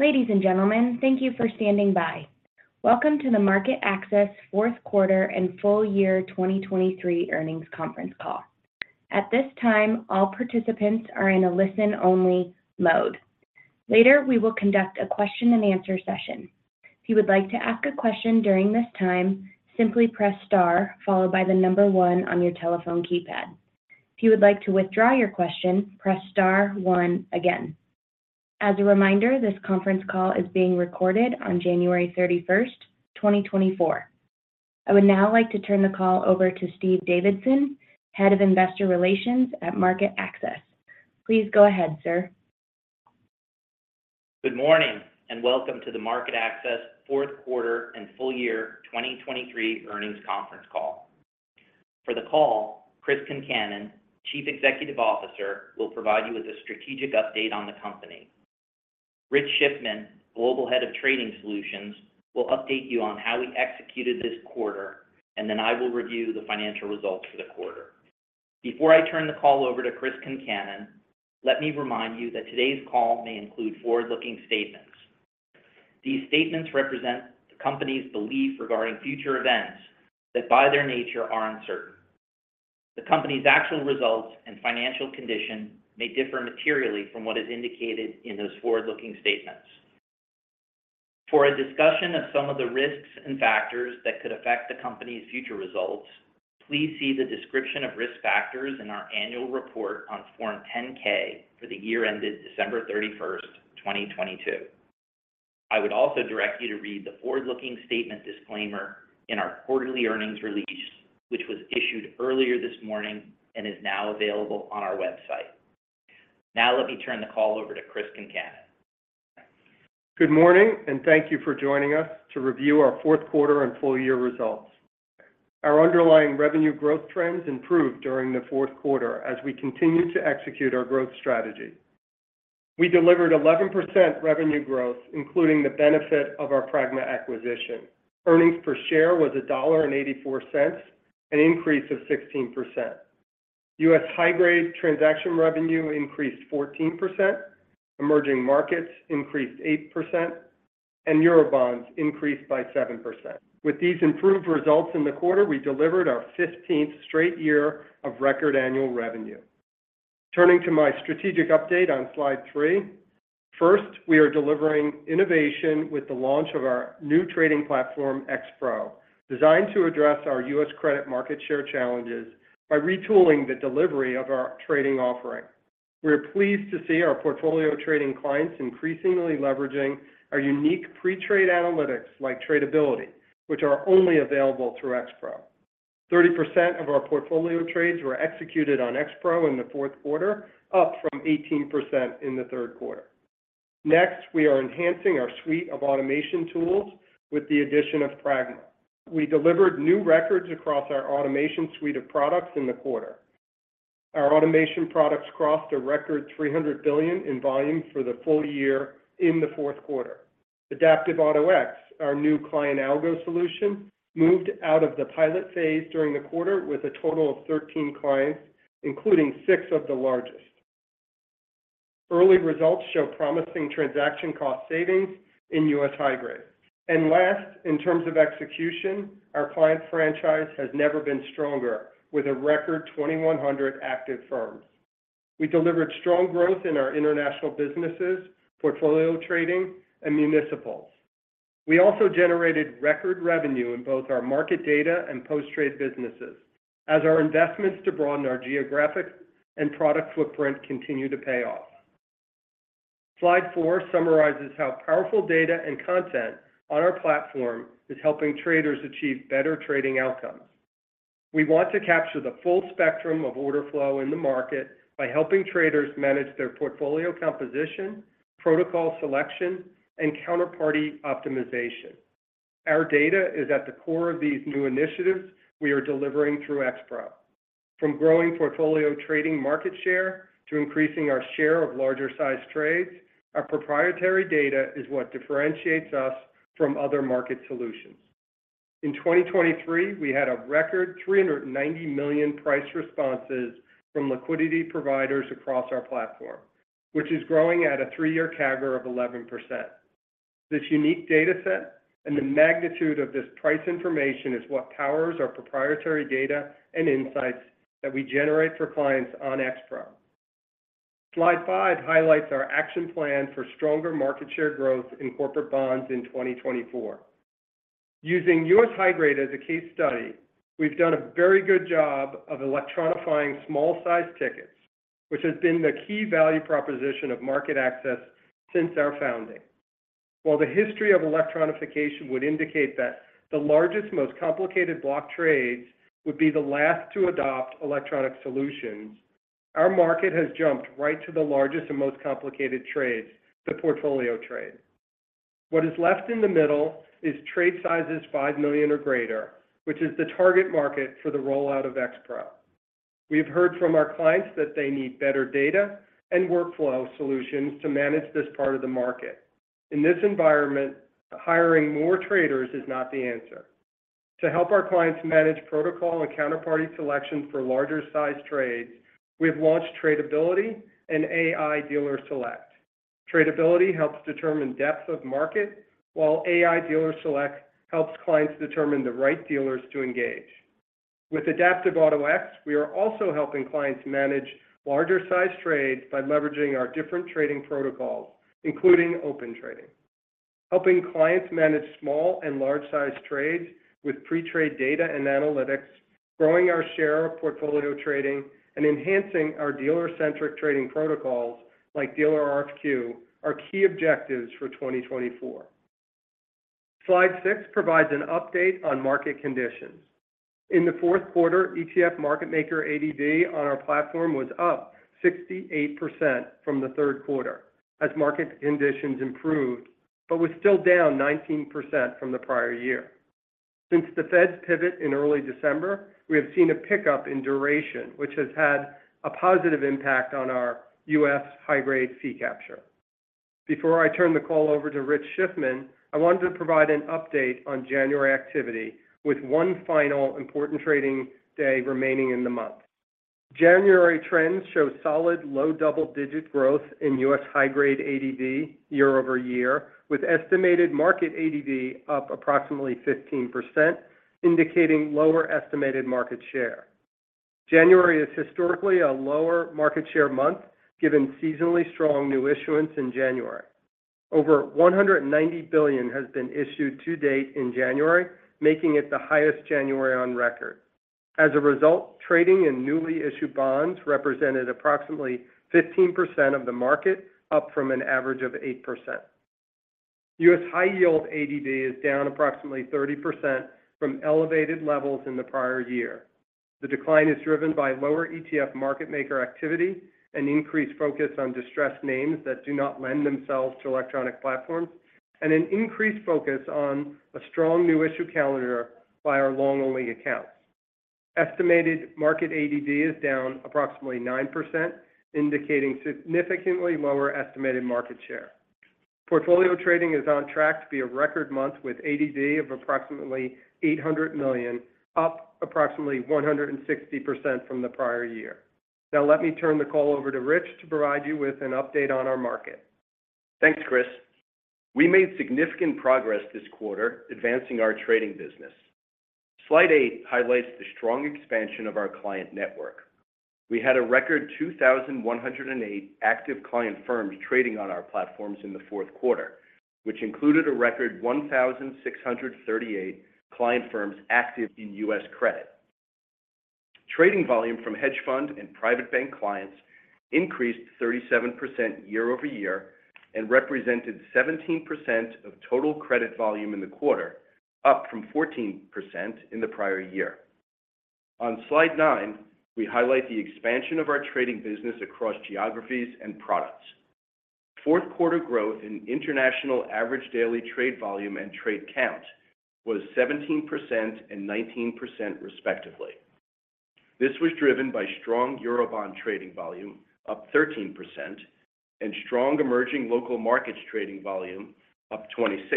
Ladies and gentlemen, thank you for standing by. Welcome to the MarketAxess Fourth Quarter and Full Year 2023 Earnings Conference Call. At this time, all participants are in a listen-only mode. Later, we will conduct a question-and-answer session. If you would like to ask a question during this time, simply press star followed by the number one on your telephone keypad. If you would like to withdraw your question, press star 1 again. As a reminder, this conference call is being recorded on 31 January 2024. I would now like to turn the call over to Steve Davidson, Head of Investor Relations at MarketAxess. Please go ahead, sir. Good morning, and welcome to the MarketAxess Fourth Quarter and Full Year 2023 Earnings Conference Call. For the call, Chris Concannon, Chief Executive Officer, will provide you with a strategic update on the company. Richard Schiffman, Global Head of Trading Solutions, will update you on how we executed this quarter, and then I will review the financial results for the quarter. Before I turn the call over to Chris Concannon, let me remind you that today's call may include forward-looking statements. These statements represent the company's belief regarding future events that, by their nature, are uncertain. The company's actual results and financial condition may differ materially from what is indicated in those forward-looking statements. For a discussion of some of the risks and factors that could affect the company's future results, please see the description of risk factors in our annual report on Form 10-K for the year ended 31 December 2022. I would also direct you to read the forward-looking statement disclaimer in our quarterly earnings release, which was issued earlier this morning and is now available on our website. Now, let me turn the call over to Chris Concannon. Good morning, and thank you for joining us to review our fourth quarter and full year results. Our underlying revenue growth trends improved during the fourth quarter as we continued to execute our growth strategy. We delivered 11% revenue growth, including the benefit of our Pragma acquisition. Earnings per share was $1.84, an increase of 16%. U.S. high-grade transaction revenue increased 14%, emerging markets increased 8%, and Eurobonds increased by 7%. With these improved results in the quarter, we delivered our 15th straight year of record annual revenue. Turning to my strategic update on Slide three, first, we are delivering innovation with the launch of our new trading platform, X-Pro, designed to address our U.S. credit market share challenges by retooling the delivery of our trading offering. We are pleased to see our portfolio trading clients increasingly leveraging our unique pre-trade analytics like Tradability, which are only available through X-Pro. 30% of our portfolio trades were executed on X-Pro in the fourth quarter, up from 18% in the third quarter. Next, we are enhancing our suite of automation tools with the addition of Pragma. We delivered new records across our Automation suite of products in the quarter. Our automation products crossed a record $300 billion in volume for the full year in the fourth quarter. Adaptive Auto-X, our new client algo solution, moved out of the pilot phase during the quarter with a total of 13 clients, including six of the largest. Early results show promising transaction cost savings in U.S. high-grade. And last, in terms of execution, our client franchise has never been stronger with a record 2,100 active firms. We delivered strong growth in our international businesses, portfolio trading, and municipals. We also generated record revenue in both our market data and post-trade businesses, as our investments to broaden our geographic and product footprint continue to pay off. Slide 4 summarizes how powerful data and content on our platform is helping traders achieve better trading outcomes. We want to capture the full spectrum of order flow in the market by helping traders manage their portfolio composition, protocol selection, and counterparty optimization. Our data is at the core of these new initiatives we are delivering through X-Pro. From growing portfolio trading market share to increasing our share of larger-sized trades, our proprietary data is what differentiates us from other market solutions. In 2023, we had a record 390 million price responses from liquidity providers across our platform, which is growing at a 3-year CAGR of 11%. This unique data set and the magnitude of this price information is what powers our proprietary data and insights that we generate for clients on X-Pro. Slide 5 highlights our action plan for stronger market share growth in corporate bonds in 2024. Using U.S. high-grade as a case study, we've done a very good job of electronifying small-sized tickets, which has been the key value proposition of MarketAxess since our founding. While the history of electronification would indicate that the largest, most complicated block trades would be the last to adopt electronic solutions, our market has jumped right to the largest and most complicated trades, the portfolio trade. What is left in the middle is trade sizes $5 million or greater, which is the target market for the rollout of X-Pro. We've heard from our clients that they need better data and workflow solutions to manage this part of the market. In this environment, hiring more traders is not the answer. To help our clients manage protocol and counterparty selection for larger-sized trades, we've launched Tradability and AI Dealer Select. Tradability helps determine depth of market, while AI Dealer Select helps clients determine the right dealers to engage. With Adaptive Auto-X, we are also helping clients manage larger-sized trades by leveraging our different trading protocols, including Open Trading. Helping clients manage small and large-sized trades with pre-trade data and analytics, growing our share of portfolio trading, and enhancing our dealer-centric trading protocols, like Dealer RFQ, are key objectives for 2024. Slide six provides an update on market conditions. In the fourth quarter, ETF market maker ADV on our platform was up 68% from the third quarter as market conditions improved, but was still down 19% from the prior year. Since the Fed pivot in early December, we have seen a pickup in duration, which has had a positive impact on our US high-grade fee capture. Before I turn the call over to Rich Schiffman, I wanted to provide an update on January activity, with one final important trading day remaining in the month. January trends show solid low-double-digit growth in US high-grade ADV year-over-year, with estimated market ADV up approximately 15%, indicating lower estimated market share. January is historically a lower market share month, given seasonally strong new issuance in January. Over $190 billion has been issued to date in January, making it the highest January on record. As a result, trading in newly issued bonds represented approximately 15% of the market, up from an average of 8%. U.S. high-yield ADV is down approximately 30% from elevated levels in the prior year. The decline is driven by lower ETF market maker activity, an increased focus on distressed names that do not lend themselves to electronic platforms, and an increased focus on a strong new issue calendar by our long-only accounts. Estimated market ADV is down approximately 9%, indicating significantly lower estimated market share. Portfolio trading is on track to be a record month, with ADV of approximately $800 million, up approximately 160% from the prior year. Now, let me turn the call over to Rich to provide you with an update on our market. Thanks, Chris. We made significant progress this quarter advancing our trading business. Slide 8 highlights the strong expansion of our client network. We had a record 2,108 active client firms trading on our platforms in the fourth quarter, which included a record 1,638 client firms active in U.S. credit. Trading volume from hedge fund and private bank clients increased 37% year-over-year and represented 17% of total credit volume in the quarter, up from 14% in the prior year. On Slide 9, we highlight the expansion of our trading business across geographies and products. Fourth quarter growth in international average daily trade volume and trade count was 17% and 19%, respectively. This was driven by strong Eurobond trading volume, up 13%, and strong emerging local markets trading volume, up 26%.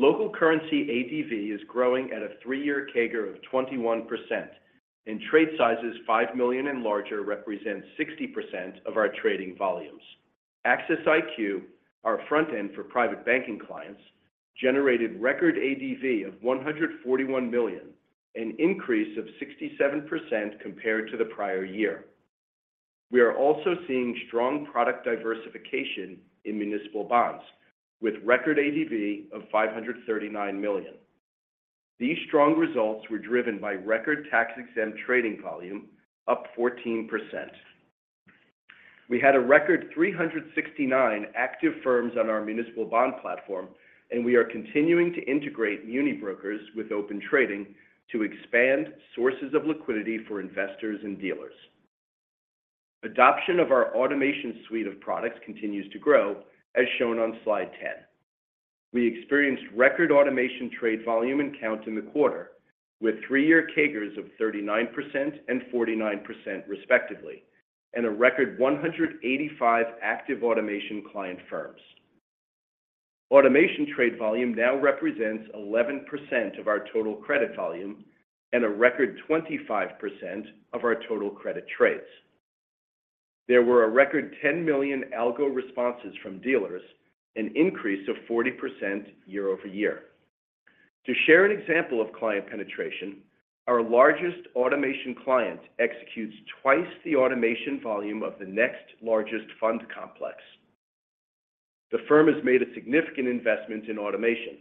Local-currency ADV is growing at a three-year CAGR of 21%, and trade sizes $5 million and larger represent 60% of our trading volumes. Axess IQ, our front end for private banking clients, generated record ADV of $141 million, an increase of 67% compared to the prior year. We are also seeing strong product diversification in municipal bonds, with record ADV of $539 million. These strong results were driven by record tax-exempt trading volume, up 14%. We had a record 369 active firms on our municipal bond platform, and we are continuing to integrate muni brokers with Open Trading to expand sources of liquidity for investors and dealers. Adoption of our Automation suite of products continues to grow, as shown on Slide 10. We experienced record automation trade volume and count in the quarter, with three-year CAGRs of 39% and 49%, respectively, and a record 185 active automation client firms. Automation trade volume now represents 11% of our total credit volume and a record 25% of our total credit trades. There were a record 10 million algo responses from dealers, an increase of 40% year-over-year. To share an example of client penetration, our largest automation client executes twice the automation volume of the next largest fund complex. The firm has made a significant investment in automation.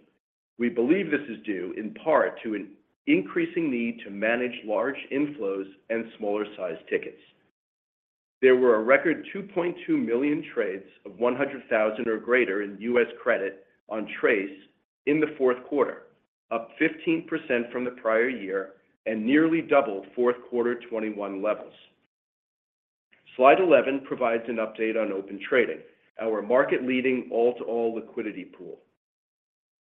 We believe this is due in part to an increasing need to manage large inflows and smaller-sized tickets. There were a record 2.2 million trades of $100,000 or greater in U.S. credit on TRACE in the fourth quarter, up 15% from the prior year and nearly double fourth quarter 2021 levels. Slide 11 provides an update on Open Trading, our market-leading all-to-all liquidity pool.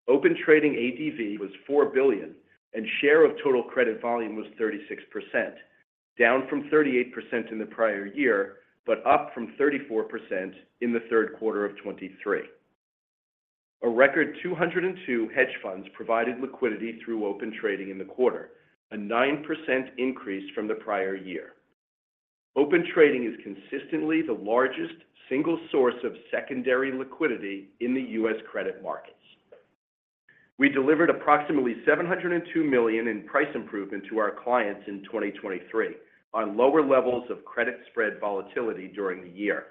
Open Trading ADV was $4 billion, and share of total credit volume was 36%... down from 38% in the prior year, but up from 34% in the third quarter of 2023. A record 202 hedge funds provided liquidity through Open Trading in the quarter, a 9% increase from the prior year. Open Trading is consistently the largest single source of secondary liquidity in the U.S. credit markets. We delivered approximately $702 million in price improvement to our clients in 2023, on lower levels of credit spread volatility during the year.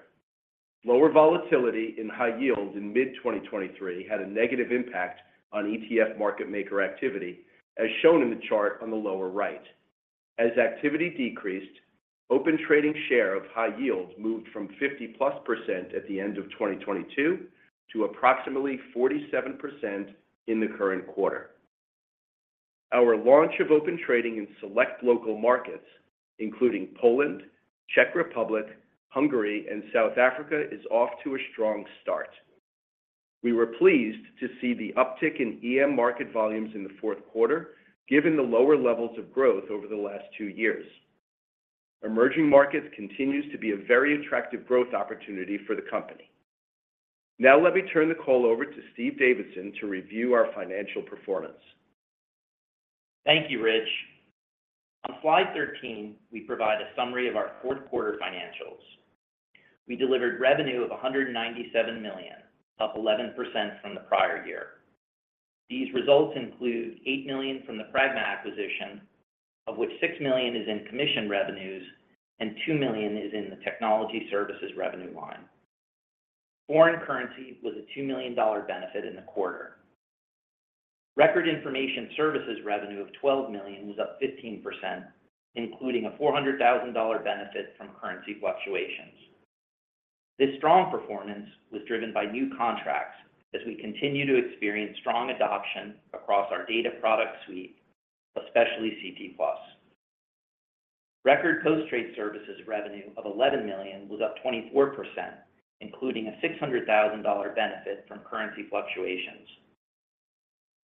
Lower volatility in high yield in mid-2023 had a negative impact on ETF market maker activity, as shown in the chart on the lower right. As activity decreased, Open Trading share of high yield moved from 50+% at the end of 2022 to approximately 47% in the current quarter. Our launch of Open Trading in select local markets, including Poland, Czech Republic, Hungary, and South Africa, is off to a strong start. We were pleased to see the uptick in EM market volumes in the fourth quarter, given the lower levels of growth over the last two years. Emerging markets continues to be a very attractive growth opportunity for the company. Now, let me turn the call over to Steve Davidson to review our financial performance. Thank you, Rich. On slide 13, we provide a summary of our fourth quarter financials. We delivered revenue of $197 million, up 11% from the prior year. These results include $8 million from the Pragma acquisition, of which $6 million is in commission revenues and $2 million is in the technology services revenue line. Foreign currency was a $2 million benefit in the quarter. Record information services revenue of $12 million was up 15%, including a $400,000 benefit from currency fluctuations. This strong performance was driven by new contracts as we continue to experience strong adoption across our data product suite, especially CP+. Record post-trade services revenue of $11 million was up 24%, including a $600,000 benefit from currency fluctuations.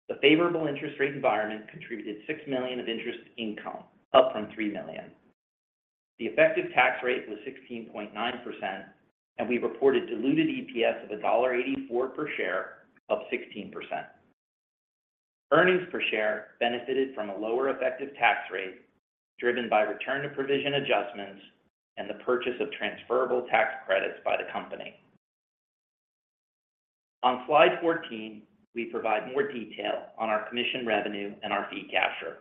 The favorable interest rate environment contributed $6 million of interest income, up from $3 million. The effective tax rate was 16.9%, and we reported diluted EPS of $1.84 per share, up 16%. Earnings per share benefited from a lower effective tax rate, driven by return to provision adjustments and the purchase of transferable tax credits by the company. On slide 14, we provide more detail on our commission revenue and our fee capture.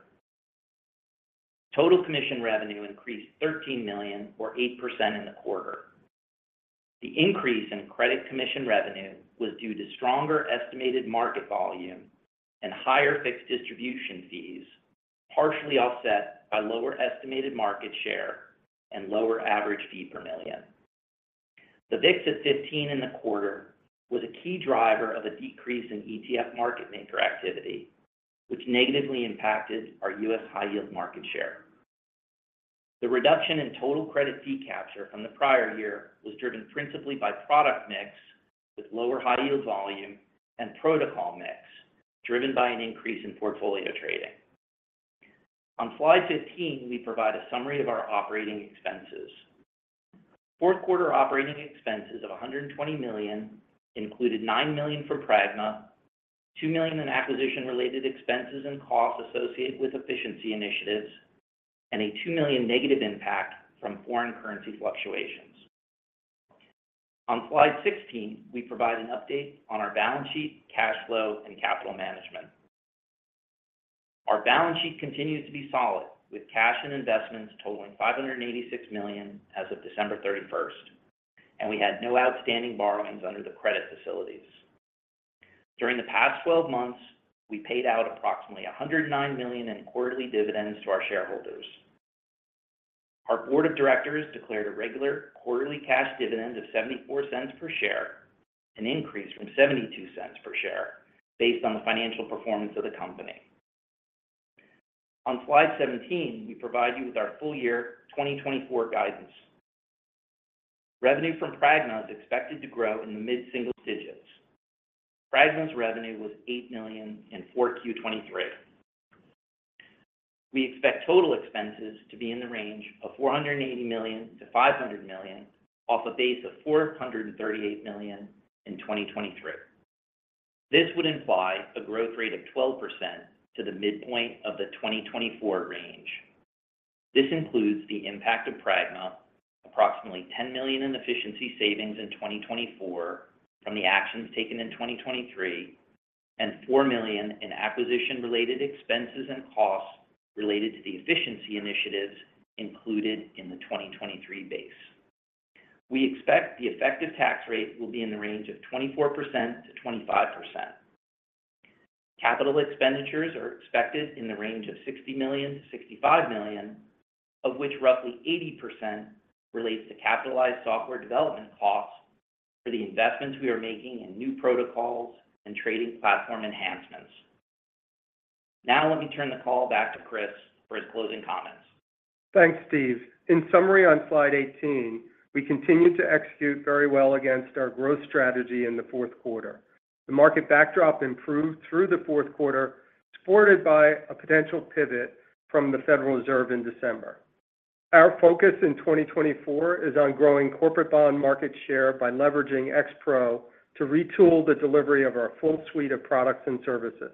Total commission revenue increased $13 million, or 8% in the quarter. The increase in credit commission revenue was due to stronger estimated market volume and higher fixed distribution fees, partially offset by lower estimated market share and lower average fee per million. The VIX at 15 in the quarter was a key driver of a decrease in ETF market maker activity, which negatively impacted our US high-yield market share. The reduction in total credit fee capture from the prior year was driven principally by product mix, with lower high-yield volume and protocol mix, driven by an increase in portfolio trading. On slide 15, we provide a summary of our operating expenses. Fourth quarter operating expenses of $120 million included $9 million for Pragma, $2 million in acquisition-related expenses and costs associated with efficiency initiatives, and a $2 million negative impact from foreign currency fluctuations. On slide 16, we provide an update on our balance sheet, cash flow, and capital management. Our balance sheet continues to be solid, with cash and investments totaling $586 million as of December, and we had no outstanding borrowings under the credit facilities. During the past 12 months, we paid out approximately $109 million in quarterly dividends to our shareholders. Our board of directors declared a regular quarterly cash dividend of $0.74 per share, an increase from 0.72 per share, based on the financial performance of the company. On slide 17, we provide you with our full year 2024 guidance. Revenue from Pragma is expected to grow in the mid-single digits. Pragma's revenue was $8 million in 4Q-2023. We expect total expenses to be in the range of $480 million-500 million, off a base of 438 million in 2023. This would imply a growth rate of 12% to the midpoint of the 2024 range. This includes the impact of Pragma, approximately $10 million in efficiency savings in 2024 from the actions taken in 2023, and $4 million in acquisition-related expenses and costs related to the efficiency initiatives included in the 2023 base. We expect the effective tax rate will be in the range of 24%-25%. Capital expenditures are expected in the range of $60 million-65 million, of which roughly 80% relates to capitalized software development costs for the investments we are making in new protocols and trading platform enhancements. Now, let me turn the call back to Chris for his closing comments. Thanks, Steve. In summary, on slide 18, we continued to execute very well against our growth strategy in the fourth quarter. The market backdrop improved through the fourth quarter, supported by a potential pivot from the Federal Reserve in December. ...Our focus in 2024 is on growing corporate bond market share by leveraging X-Pro to retool the delivery of our full suite of products and services.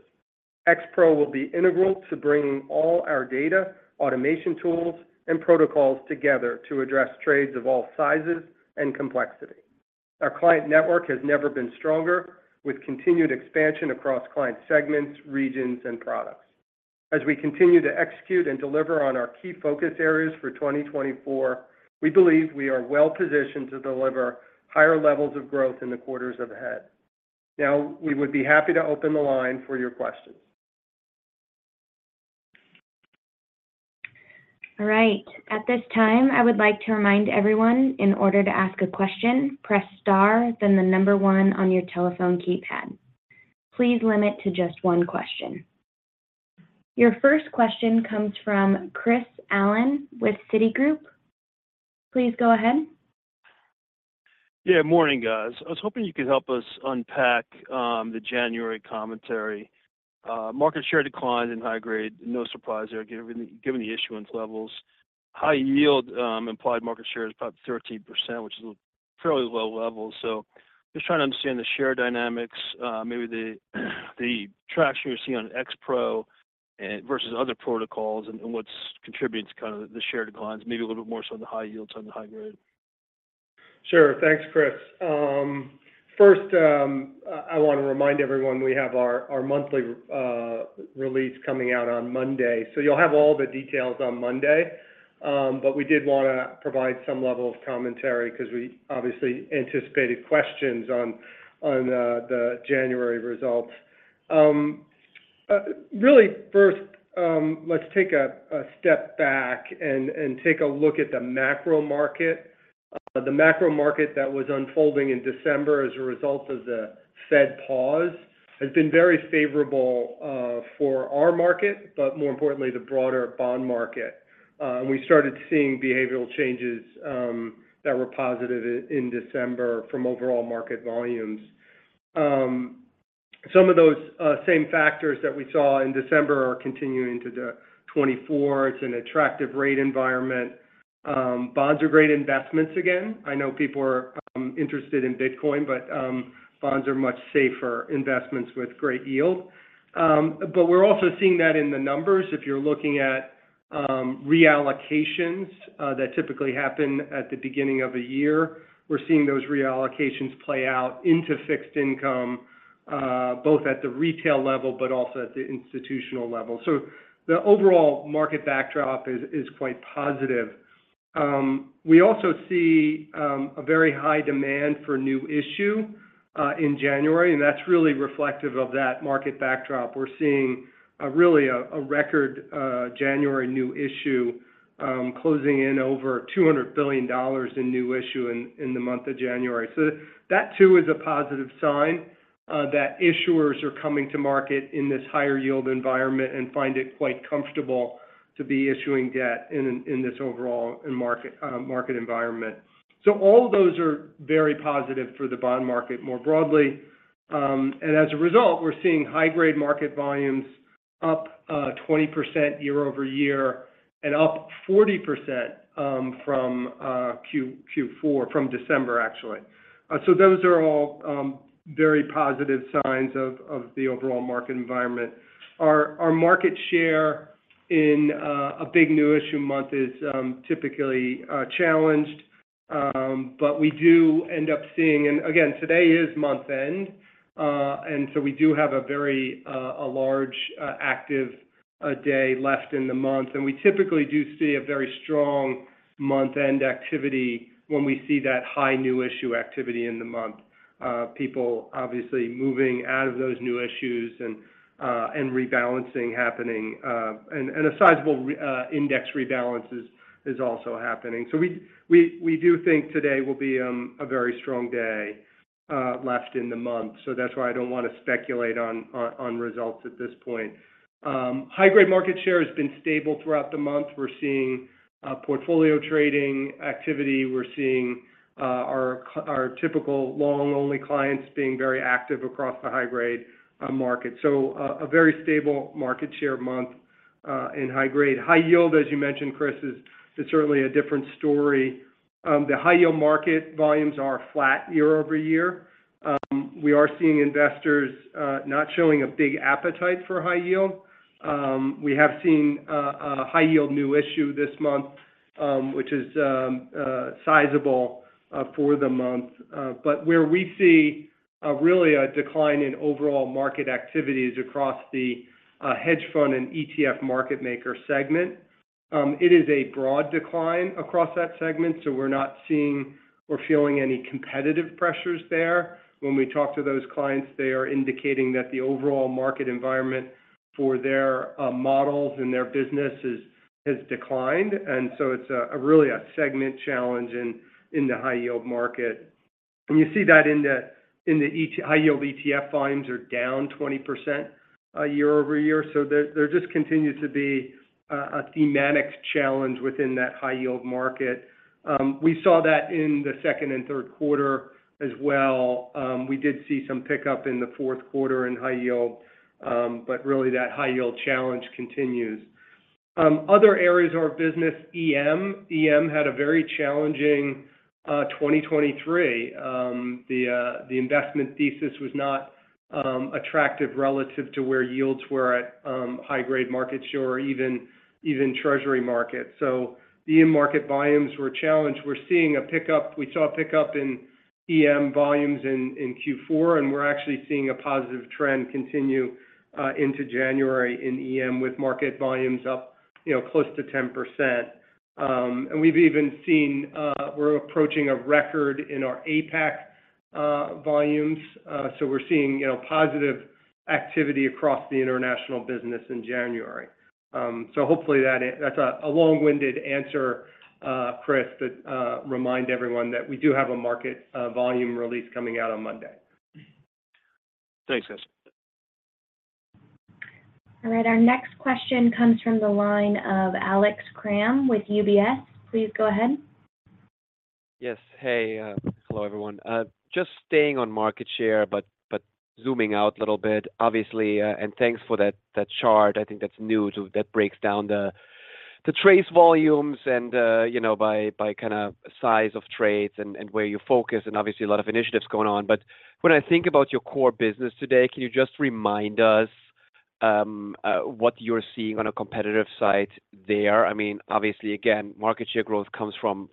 X-Pro will be integral to bringing all our data, automation tools, and protocols together to address trades of all sizes and complexity. Our client network has never been stronger, with continued expansion across client segments, regions, and products. As we continue to execute and deliver on our key focus areas for 2024, we believe we are well-positioned to deliver higher levels of growth in the quarters ahead. Now, we would be happy to open the line for your questions. All right. At this time, I would like to remind everyone, in order to ask a question, press star, then the number one on your telephone keypad. Please limit to just one question. Your first question comes from Chris Allen with Citigroup. Please go ahead. Yeah, morning, guys. I was hoping you could help us unpack the January commentary. Market share declined in high grade, no surprise there, given the issuance levels. High yield implied market share is about 13%, which is a fairly low level. So just trying to understand the share dynamics, maybe the traction you're seeing on X-Pro, and versus other protocols and what's contributes kind of the share declines, maybe a little bit more so on the high yields on the high grade. Sure. Thanks, Chris. First, I want to remind everyone we have our monthly release coming out on Monday. So you'll have all the details on Monday, but we did want to provide some level of commentary because we obviously anticipated questions on the January results. Really, first, let's take a step back and take a look at the macro market. The macro market that was unfolding in December as a result of the Fed pause has been very favorable for our market, but more importantly, the broader bond market. And we started seeing behavioral changes that were positive in December from overall market volumes. Some of those same factors that we saw in December are continuing into 2024. It's an attractive rate environment. Bonds are great investments again. I know people are interested in Bitcoin, but bonds are much safer investments with great yield. But we're also seeing that in the numbers. If you're looking at reallocations that typically happen at the beginning of a year, we're seeing those reallocations play out into fixed income both at the retail level, but also at the institutional level. So the overall market backdrop is quite positive. We also see a very high demand for new issue in January, and that's really reflective of that market backdrop. We're seeing really a record January new issue closing in over $200 billion in new issue in the month of January. So that too is a positive sign that issuers are coming to market in this higher-yield environment and find it quite comfortable to be issuing debt in this overall market environment. So all of those are very positive for the bond market more broadly. As a result, we're seeing high-grade market volumes up 20% year-over-year and up 40% from Q4, from December, actually. So those are all very positive signs of the overall market environment. Our market share in a big new issue month is typically challenged, but we do end up seeing... And again, today is month-end, and so we do have a very large active day left in the month. We typically do see a very strong month-end activity when we see that high new issue activity in the month. People obviously moving out of those new issues and rebalancing happening, and a sizable index rebalance is also happening. So we do think today will be a very strong day left in the month. So that's why I don't want to speculate on results at this point. High-grade market share has been stable throughout the month. We're seeing portfolio trading activity. We're seeing our typical long-only clients being very active across the high-grade market. So a very stable market share month in high grade. High yield, as you mentioned, Chris, is certainly a different story. The high-yield market volumes are flat year-over-year. We are seeing investors not showing a big appetite for high-yield. We have seen a high-yield new issue this month, which is sizable for the month. But where we see really a decline in overall market activity is across the hedge fund and ETF market maker segment. It is a broad decline across that segment, so we're not seeing or feeling any competitive pressures there. When we talk to those clients, they are indicating that the overall market environment for their models and their business has declined, and so it's really a segment challenge in the high-yield market. You see that in the high-yield ETF volumes are down 20%, year-over-year. So there just continues to be a thematic challenge within that high-yield market. We saw that in the second and third quarter as well. We did see some pickup in the fourth quarter in high yield, but really that high-yield challenge continues. Other areas of our business, EM. EM had a very challenging 2023. The investment thesis was not attractive relative to where yields were at, high-grade market share or even treasury markets. So the EM market volumes were challenged. We saw a pickup in EM volumes in Q4, and we're actually seeing a positive trend continue into January in EM, with market volumes up, you know, close to 10%. And we've even seen. We're approaching a record in our APAC volumes. So we're seeing, you know, positive activity across the international business in January. So hopefully, that's a long-winded answer, Chris, but remind everyone that we do have a market volume release coming out on Monday. Thanks, guys. All right. Our next question comes from the line of Alex Kramm with UBS. Please go ahead. Yes. Hey, hello, everyone. Just staying on market share, but zooming out a little bit, obviously. And thanks for that, that chart. I think that's new to... That breaks down the trades volumes and, you know, by kinda size of trades and where you focus, and obviously, a lot of initiatives going on. But when I think about your core business today, can you just remind us, what you're seeing on a competitive side there? I mean, obviously, again, market share growth comes from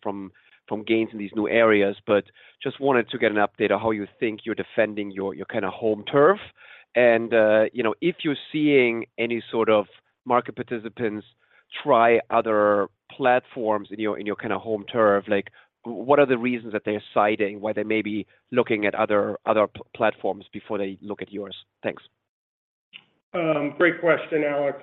gains in these new areas, but just wanted to get an update on how you think you're defending your kinda home turf. You know, if you're seeing any sort of market participants try other platforms in your kinda home turf, like, what are the reasons that they're citing, why they may be looking at other platforms before they look at yours? Thanks. Great question, Alex.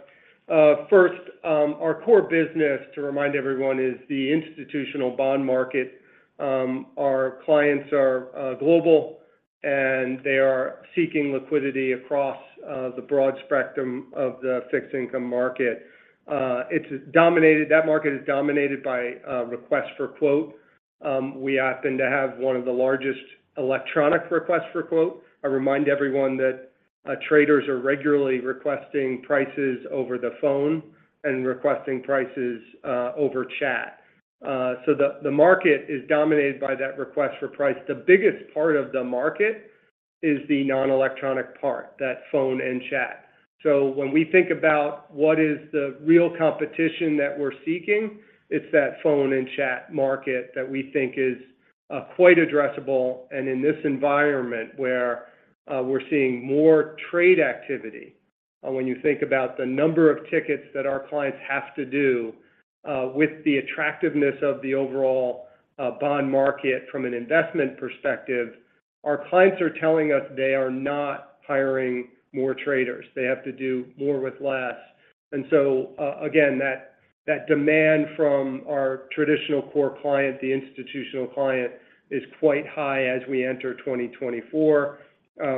First, our core business, to remind everyone, is the institutional bond market. Our clients are global, and they are seeking liquidity across the broad spectrum of the fixed income market. It's dominated. That market is dominated by request for quote. We happen to have one of the largest electronic request for quote. I remind everyone that traders are regularly requesting prices over the phone and requesting prices over chat. So the market is dominated by that request for price. The biggest part of the market is the non-electronic part, that phone and chat. So when we think about what is the real competition that we're seeking, it's that phone and chat market that we think is quite addressable. In this environment where we're seeing more trade activity, when you think about the number of tickets that our clients have to do, with the attractiveness of the overall bond market from an investment perspective, our clients are telling us they are not hiring more traders. They have to do more with less. And so, again, that demand from our traditional core client, the institutional client, is quite high as we enter 2024,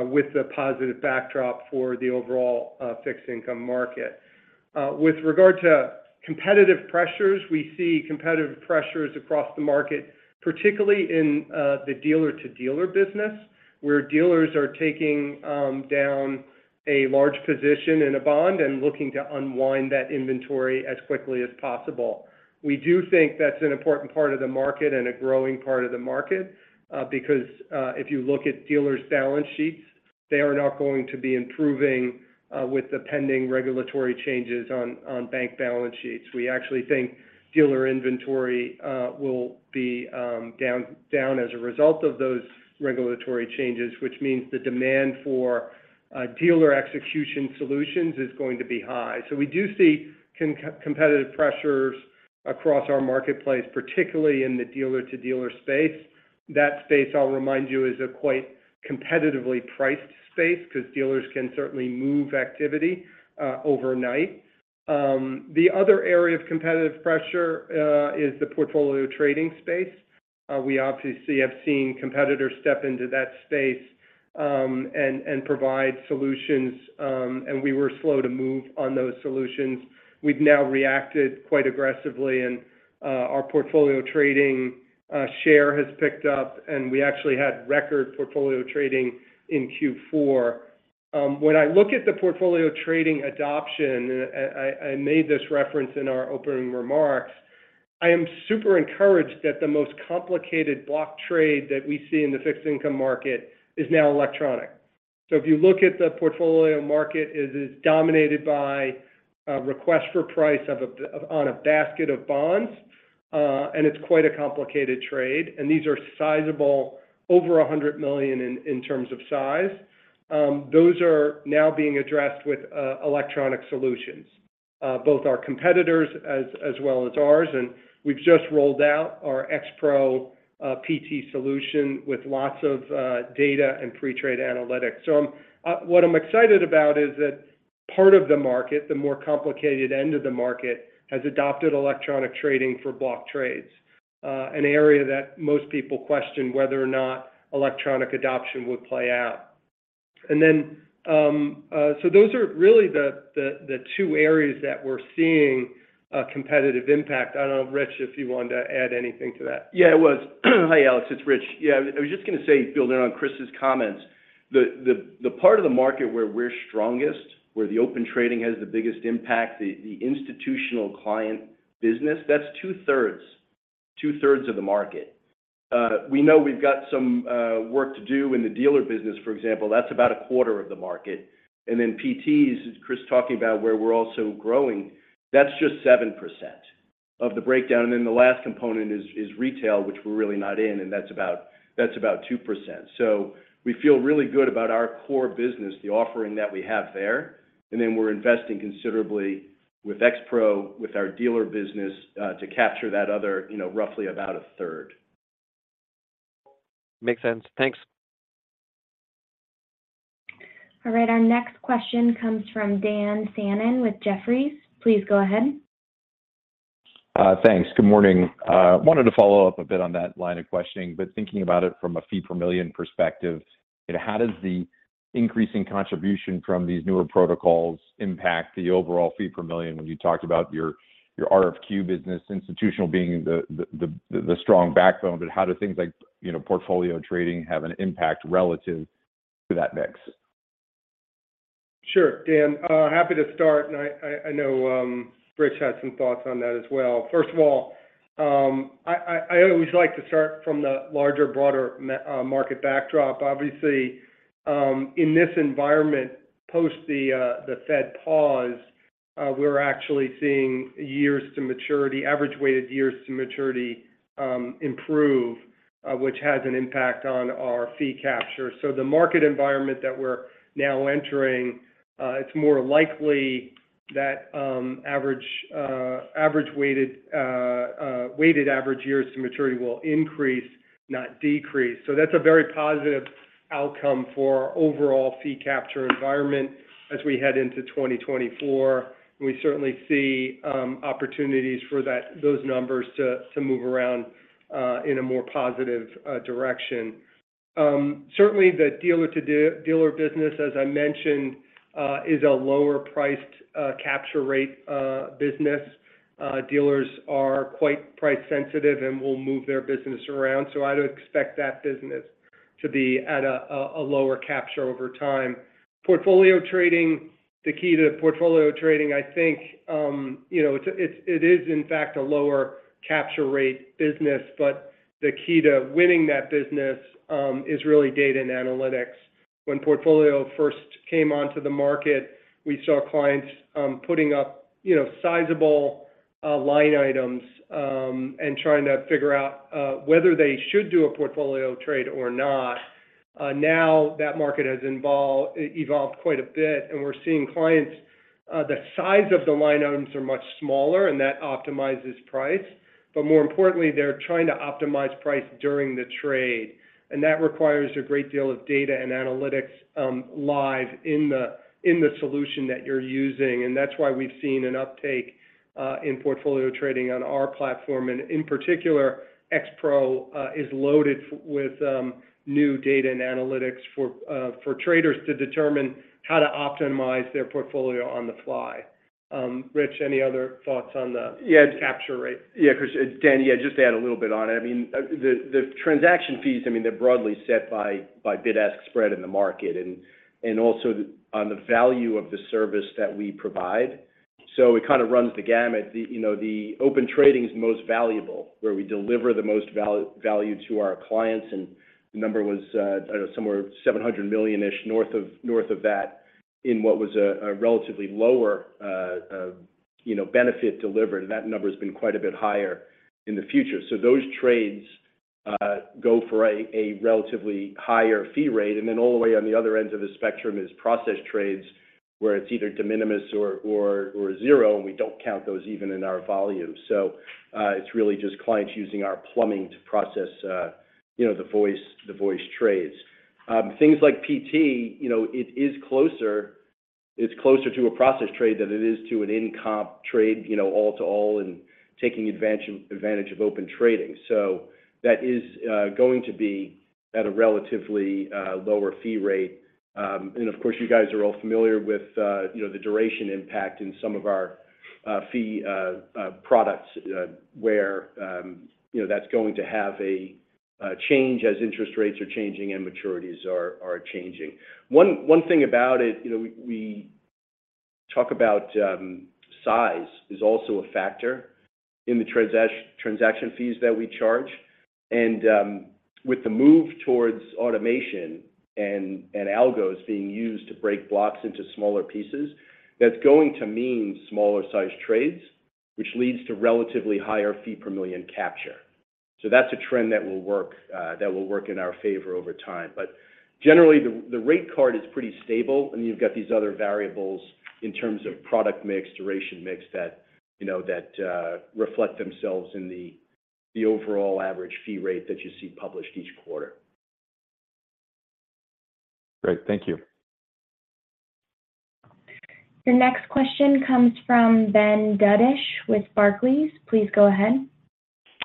with the positive backdrop for the overall fixed income market. With regard to competitive pressures, we see competitive pressures across the market, particularly in the dealer-to-dealer business, where dealers are taking down a large position in a bond and looking to unwind that inventory as quickly as possible. We do think that's an important part of the market and a growing part of the market, because if you look at dealers' balance sheets, they are not going to be improving with the pending regulatory changes on bank balance sheets. We actually think dealer inventory will be down as a result of those regulatory changes, which means the demand for dealer execution solutions is going to be high. So we do see competitive pressures across our marketplace, particularly in the dealer-to-dealer space. That space, I'll remind you, is a quite competitively priced space because dealers can certainly move activity overnight. The other area of competitive pressure is the portfolio trading space. We obviously have seen competitors step into that space and provide solutions, and we were slow to move on those solutions. We've now reacted quite aggressively, and our portfolio trading share has picked up, and we actually had record portfolio trading in Q4. When I look at the portfolio trading adoption, and I made this reference in our opening remarks, I am super encouraged that the most complicated block trade that we see in the fixed income market is now electronic. So if you look at the portfolio market, it is dominated by a request for quote on a basket of bonds, and it's quite a complicated trade, and these are sizable, over $100 million in terms of size. Those are now being addressed with electronic solutions, both our competitors as well as ours, and we've just rolled out our X-Pro PT solution with lots of data and pre-trade analytics. So, I'm what I'm excited about is that part of the market, the more complicated end of the market, has adopted electronic trading for block trades, an area that most people question whether or not electronic adoption would play out. And then, so those are really the two areas that we're seeing a competitive impact. I don't know, Rich, if you wanted to add anything to that? Yeah, I was. Hi, Alex, it's Rich. Yeah, I was just gonna say, building on Chris's comments, the part of the market where we're strongest, where the Open Trading has the biggest impact, the institutional client business, that's two-thirds of the market. We know we've got some work to do in the dealer business, for example. That's about a quarter of the market. And then PTs, as Chris talking about, where we're also growing, that's just 7% of the breakdown. And then the last component is retail, which we're really not in, and that's about 2%. So we feel really good about our core business, the offering that we have there, and then we're investing considerably with X-Pro, with our dealer business, to capture that other, you know, roughly about a third. Makes sense. Thanks. All right, our next question comes from Dan Fannon with Jefferies. Please go ahead. Thanks. Good morning. Wanted to follow up a bit on that line of questioning, but thinking about it from a fee per million perspective, how does the increasing contribution from these newer protocols impact the overall fee per million? When you talked about your RFQ business, institutional being the strong backbone, but how do things like, you know, portfolio trading have an impact relative to that mix? Sure, Dan. Happy to start, and I know Rich has some thoughts on that as well. First of all, I always like to start from the larger, broader market backdrop. Obviously, in this environment, post the Fed pause, we're actually seeing years to maturity, average weighted years to maturity, improve, which has an impact on our fee capture. So the market environment that we're now entering, it's more likely that average weighted average years to maturity will increase, not decrease. So that's a very positive outcome for our overall fee capture environment as we head into 2024. And we certainly see opportunities for those numbers to move around in a more positive direction. Certainly, the dealer-to-dealer business, as I mentioned, is a lower-priced capture rate business. Dealers are quite price-sensitive and will move their business around, so I'd expect that business to be at a lower capture over time. Portfolio Trading, the key to Portfolio Trading, I think, you know, it's, it is, in fact, a lower capture rate business, but the key to winning that business is really data and analytics. When Portfolio Trading first came onto the market, we saw clients putting up, you know, sizable line items and trying to figure out whether they should do a Portfolio Trading trade or not. Now, that market has evolved quite a bit, and we're seeing clients, the size of the line items are much smaller, and that optimizes price, but more importantly, they're trying to optimize price during the trade, and that requires a great deal of data and analytics, live in the solution that you're using. And that's why we've seen an uptake in portfolio trading on our platform. And in particular, X-Pro is loaded with new data and analytics for traders to determine how to optimize their portfolio on the fly. Rich, any other thoughts on the- Yeah Capture rate? Yeah, Chris. Dan, yeah, just to add a little bit on it. I mean, the transaction fees, I mean, they're broadly set by bid-ask spread in the market and also on the value of the service that we provide. So it kind of runs the gamut. You know, Open Trading is the most valuable, where we deliver the most value to our clients, and the number was, I don't know, somewhere $700 million-ish, north of that, in what was a relatively lower benefit delivered. That number has been quite a bit higher in the future. So those trades go for a relatively higher fee rate, and then all the way on the other end of the spectrum is process trades, where it's either de minimis or zero, and we don't count those even in our volume. So it's really just clients using our plumbing to process, you know, the voice trades. Things like PT, you know, it is closer—it's closer to a process trade than it is to an in-comp trade, you know, all to all and taking advantage of Open Trading. So that is going to be at a relatively lower fee rate. And of course, you guys are all familiar with, you know, the duration impact in some of our fee products, where, you know, that's going to have a change as interest rates are changing and maturities are changing. One thing about it, you know, we talk about size is also a factor in the transaction fees that we charge. And with the move towards automation and algos being used to break blocks into smaller pieces, that's going to mean smaller-sized trades, which leads to relatively higher fee per million capture. So that's a trend that will work, that will work in our favor over time. But generally, the rate card is pretty stable, and you've got these other variables in terms of product mix, duration mix, that you know reflect themselves in the overall average fee rate that you see published each quarter. Great. Thank you. Your next question comes from Ben Budish with Barclays. Please go ahead.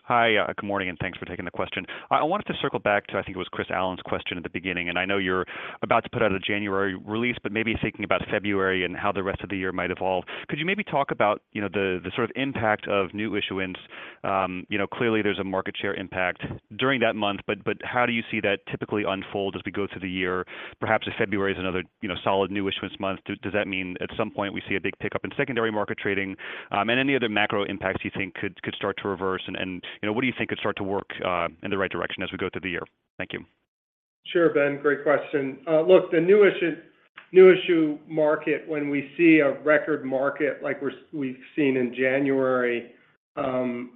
Hi, good morning, and thanks for taking the question. I wanted to circle back to, I think it was Chris Allen's question at the beginning, and I know you're about to put out a January release, but maybe thinking about February and how the rest of the year might evolve. Could you maybe talk about, you know, the sort of impact of new issuance? You know, clearly there's a market share impact during that month, but how do you see that typically unfold as we go through the year? Perhaps if February is another, you know, solid new issuance month, does that mean at some point we see a big pickup in secondary market trading? And any other macro impacts you think could start to reverse? You know, what do you think could start to work in the right direction as we go through the year? Thank you. Sure, Ben, great question. Look, the new issue, new issue market, when we see a record market like we've seen in January,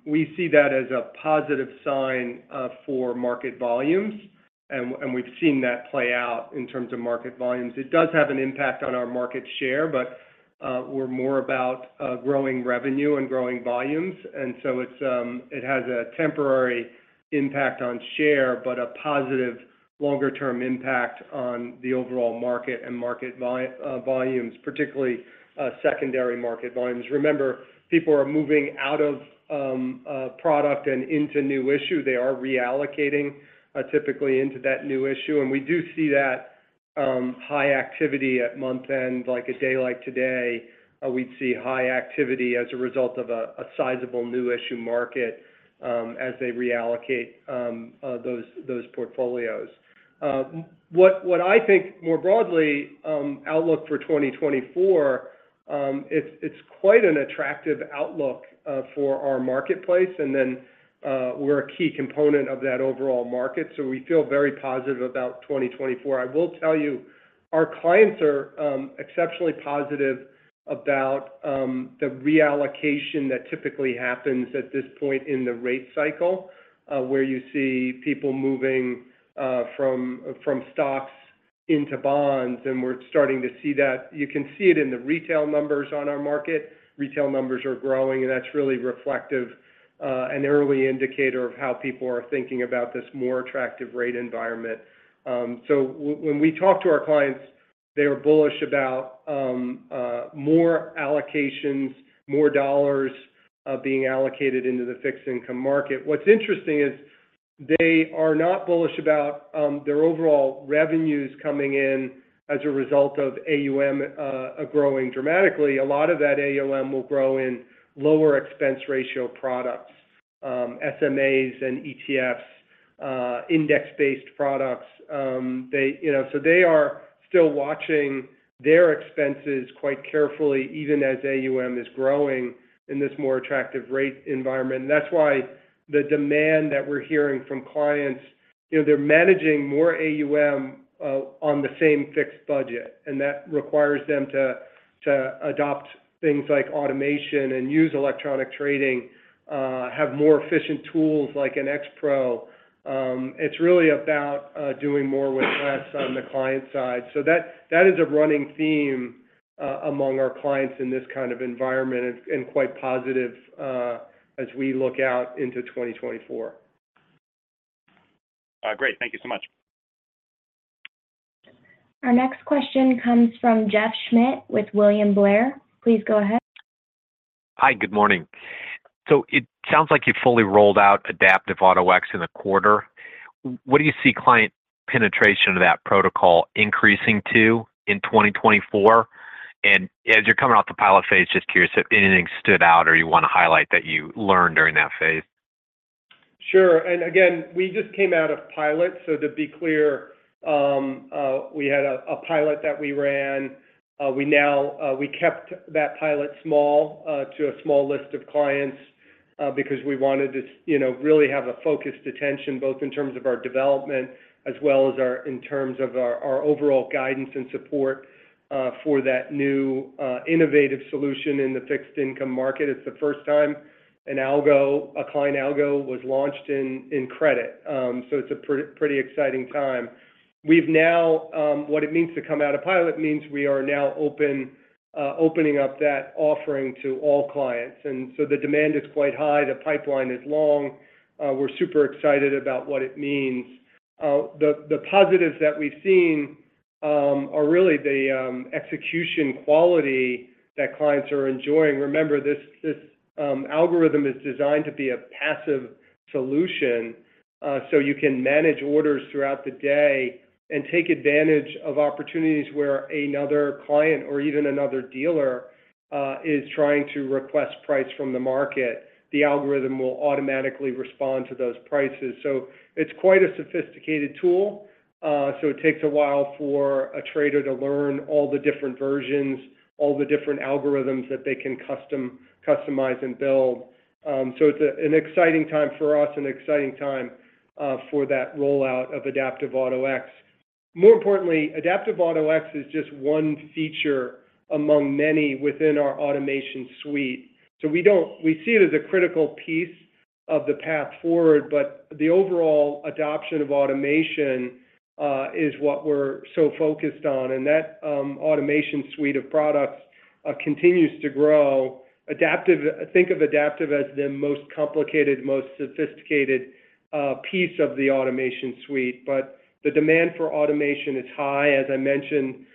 we see that as a positive sign for market volumes. And we've seen that play out in terms of market volumes. It does have an impact on our market share, but we're more about growing revenue and growing volumes. And so it's, it has a temporary impact on share, but a positive longer-term impact on the overall market and market vol, volumes, particularly secondary market volumes. Remember, people are moving out of product and into new issue. They are reallocating, typically into that new issue, and we do see that high activity at month-end. Like, a day like today, we'd see high activity as a result of a sizable new issue market, as they reallocate those portfolios. What I think more broadly, outlook for 2024, it's quite an attractive outlook for our marketplace, and then, we're a key component of that overall market, so we feel very positive about 2024. I will tell you, our clients are exceptionally positive about the reallocation that typically happens at this point in the rate cycle, where you see people moving from stocks into bonds, and we're starting to see that. You can see it in the retail numbers on our market. Retail numbers are growing, and that's really reflective, an early indicator of how people are thinking about this more attractive rate environment. So when we talk to our clients, they are bullish about more allocations, more dollars being allocated into the fixed income market. What's interesting is they are not bullish about their overall revenues coming in as a result of AUM growing dramatically. A lot of that AUM will grow in lower expense ratio products, SMAs and ETFs, index-based products. You know, so they are still watching their expenses quite carefully, even as AUM is growing in this more attractive rate environment. And that's why the demand that we're hearing from clients, you know, they're managing more AUM on the same fixed budget, and that requires them to adopt things like automation and use electronic trading, have more efficient tools, like an X-Pro. It's really about doing more with less on the client side. So that is a running theme among our clients in this kind of environment and quite positive as we look out into 2024. Great. Thank you so much. Our next question comes from Jeff Schmitt with William Blair. Please go ahead. Hi, good morning. So it sounds like you fully rolled out Adaptive Auto-X in the quarter. What do you see client penetration of that protocol increasing to in 2024? And as you're coming off the pilot phase, just curious if anything stood out or you want to highlight that you learned during that phase. Sure. And again, we just came out of pilot, so to be clear, we had a pilot that we ran. We kept that pilot small to a small list of clients because we wanted to, you know, really have a focused attention, both in terms of our development as well as our overall guidance and support for that new innovative solution in the fixed income market. It's the first time an algo, a client algo, was launched in credit. So it's a pretty exciting time. We've now. What it means to come out of pilot means we are now opening up that offering to all clients, and so the demand is quite high. The pipeline is long. We're super excited about what it means. The positives that we've seen are really the execution quality that clients are enjoying. Remember, this algorithm is designed to be a passive solution, so you can manage orders throughout the day and take advantage of opportunities where another client or even another dealer is trying to request price from the market. The algorithm will automatically respond to those prices. So it's quite a sophisticated tool, so it takes a while for a trader to learn all the different versions, all the different algorithms that they can customize and build. So it's an exciting time for us and an exciting time for that rollout of Adaptive Auto-X. More importantly, Adaptive Auto-X is just one feature among many within our Automation suite. We see it as a critical piece of the path forward, but the overall adoption of automation is what we're so focused on, and that Automation suite of products continues to grow. Adaptive. Think of Adaptive as the most complicated, most sophisticated piece of the Automation suite, but the demand for automation is high, as I mentioned,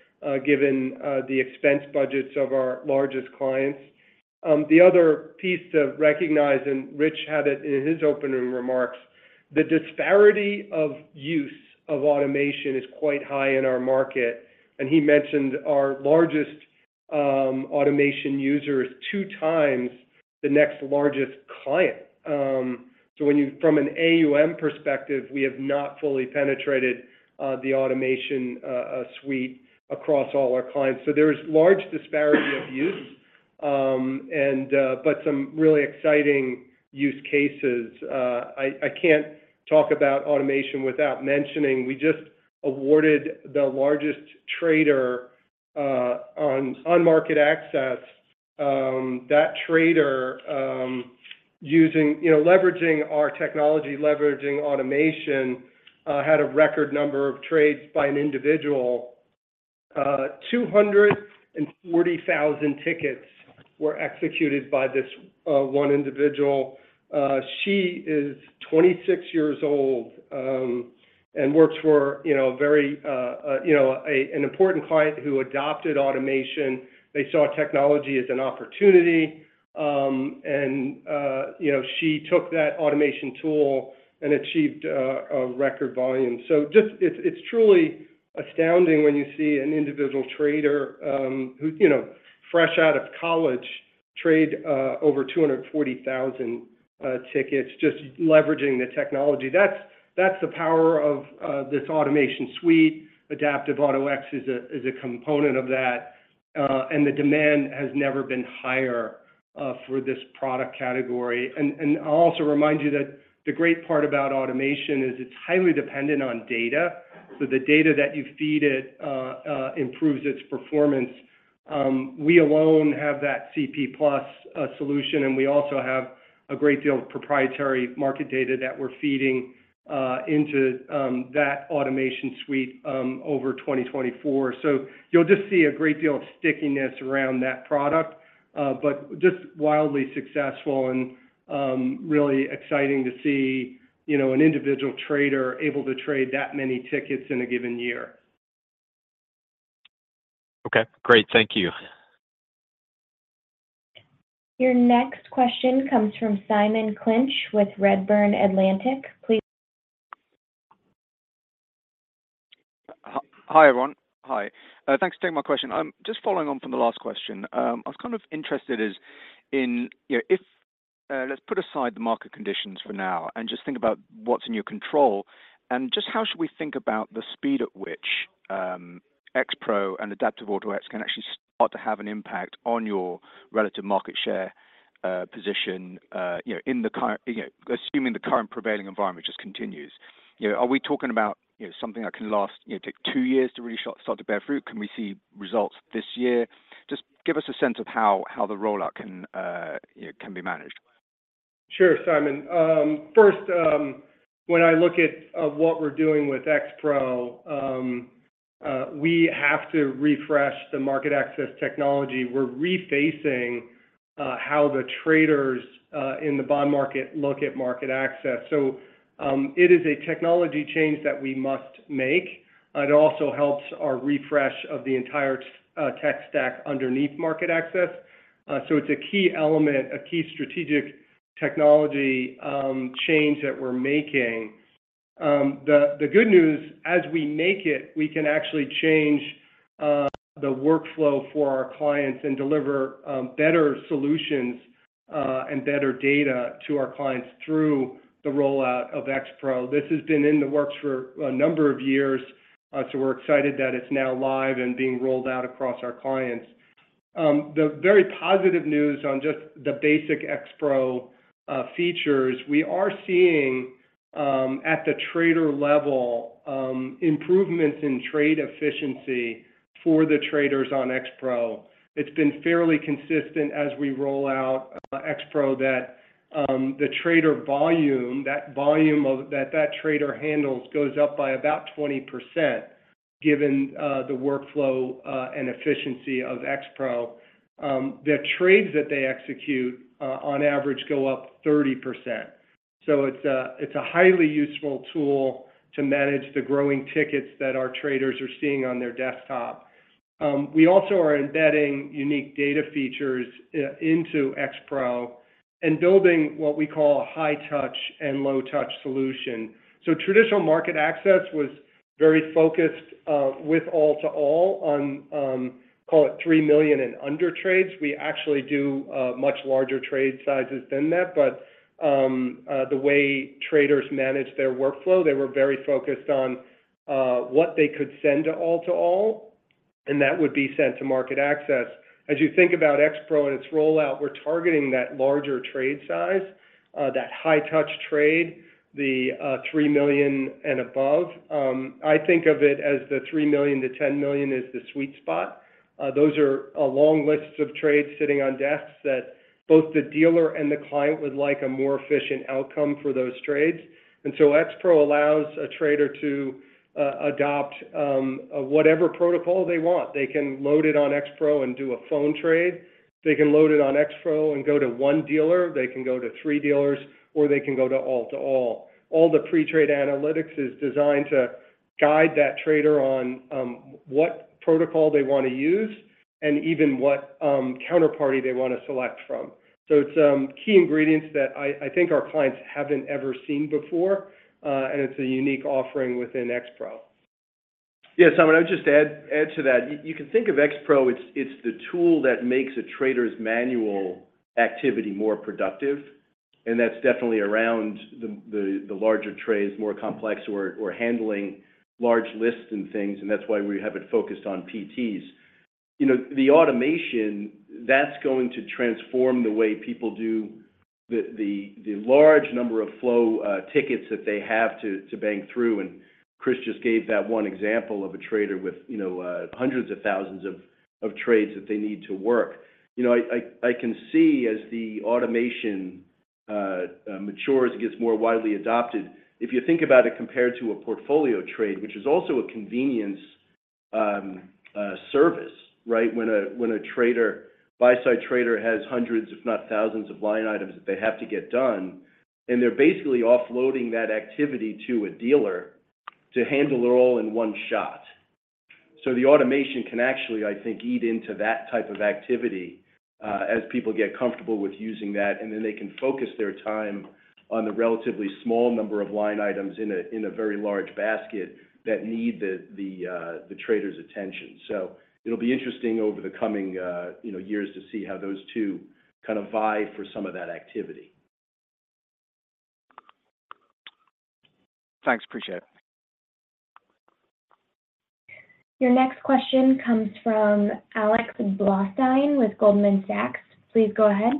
given the expense budgets of our largest clients. The other piece to recognize, and Rich had it in his opening remarks, the disparity of use of automation is quite high in our market, and he mentioned our largest automation user is two times the next largest client. From an AUM perspective, we have not fully penetrated the Automation suite across all our clients. So there is large disparity of use-... But some really exciting use cases. I can't talk about automation without mentioning, we just awarded the largest trader on MarketAxess. That trader, using—you know, leveraging our technology, leveraging automation, had a record number of trades by an individual. 240,000 tickets were executed by this one individual. She is 26 years old, and works for, you know, a very, you know, an important client who adopted automation. They saw technology as an opportunity, and, you know, she took that automation tool and achieved a record volume. So it's truly astounding when you see an individual trader, who, you know, fresh out of college, trade over 240,000 tickets, just leveraging the technology. That's the power of this Automation suite. Adaptive Auto-X is a component of that, and the demand has never been higher for this product category. And I'll also remind you that the great part about automation is it's highly dependent on data. So the data that you feed it improves its performance. We alone have that CP+ solution, and we also have a great deal of proprietary market data that we're feeding into that Automation suite over 2024. So you'll just see a great deal of stickiness around that product, but just wildly successful and really exciting to see, you know, an individual trader able to trade that many tickets in a given year. Okay, great. Thank you. Your next question comes from Simon Clinch with Redburn Atlantic. Please- Hi, everyone. Hi. Thanks for taking my question. Just following on from the last question, I was kind of interested in, you know, if... let's put aside the market conditions for now, and just think about what's in your control, and just how should we think about the speed at which, X-Pro and Adaptive Auto-X can actually start to have an impact on your relative market share, position, you know, in the current, you know, assuming the current prevailing environment just continues? You know, are we talking about, you know, something that can last, you know, take two years to really start to bear fruit? Can we see results this year? Just give us a sense of how the rollout can, you know, can be managed. Sure, Simon. First, when I look at what we're doing with X-Pro, we have to refresh the MarketAxess technology. We're refacing how the traders in the bond market look at MarketAxess. So, it is a technology change that we must make. It also helps our refresh of the entire tech stack underneath MarketAxess. So it's a key element, a key strategic technology change that we're making. The good news, as we make it, we can actually change the workflow for our clients and deliver better solutions and better data to our clients through the rollout of X-Pro. This has been in the works for a number of years, so we're excited that it's now live and being rolled out across our clients. The very positive news on just the basic X-Pro features, we are seeing at the trader level improvements in trade efficiency for the traders on X-Pro. It's been fairly consistent as we roll out X-Pro, that the trader volume, that volume that that trader handles, goes up by about 20%, given the workflow and efficiency of X-Pro. The trades that they execute on average go up 30%. So it's a, it's a highly useful tool to manage the growing tickets that our traders are seeing on their desktop. We also are embedding unique data features into X-Pro and building what we call a high-touch and low-touch solution. So traditional MarketAxess was very focused with all-to-all on call it 3 million and under trades. We actually do much larger trade sizes than that, but the way traders manage their workflow, they were very focused on what they could send to all to all, and that would be sent to MarketAxess. As you think about X-Pro and its rollout, we're targeting that larger trade size, that high-touch trade, the $3 million and above. I think of it as the $3 million-$10 million is the sweet spot. Those are a long list of trades sitting on desks that both the dealer and the client would like a more efficient outcome for those trades. And so X-Pro allows a trader to adopt whatever protocol they want. They can load it on X-Pro and do a phone trade. They can load it on X-Pro and go to one dealer, they can go to three dealers, or they can go to all to all. All the pre-trade analytics is designed to guide that trader on what protocol they want to use and even what counterparty they want to select from. So it's key ingredients that I think our clients haven't ever seen before, and it's a unique offering within X-Pro. Yeah, Simon, I'd just add to that. You can think of X-Pro, it's the tool that makes a trader's manual activity more productive... and that's definitely around the larger trades, more complex, or handling large lists and things, and that's why we have it focused on PTs. You know, the automation, that's going to transform the way people do the large number of flow tickets that they have to bang through, and Chris just gave that one example of a trader with, you know, hundreds of thousands of trades that they need to work. You know, I can see as the automation matures, it gets more widely adopted. If you think about it, compared to a portfolio trade, which is also a convenience service, right? When a trader, buy-side trader has hundreds, if not thousands of line items that they have to get done, and they're basically offloading that activity to a dealer to handle it all in one shot. So the automation can actually, I think, eat into that type of activity, as people get comfortable with using that, and then they can focus their time on the relatively small number of line items in a very large basket that need the trader's attention. So it'll be interesting over the coming, you know, years to see how those two kind of vie for some of that activity. Thanks. Appreciate it. Your next question comes from Alex Blostein with Goldman Sachs. Please go ahead.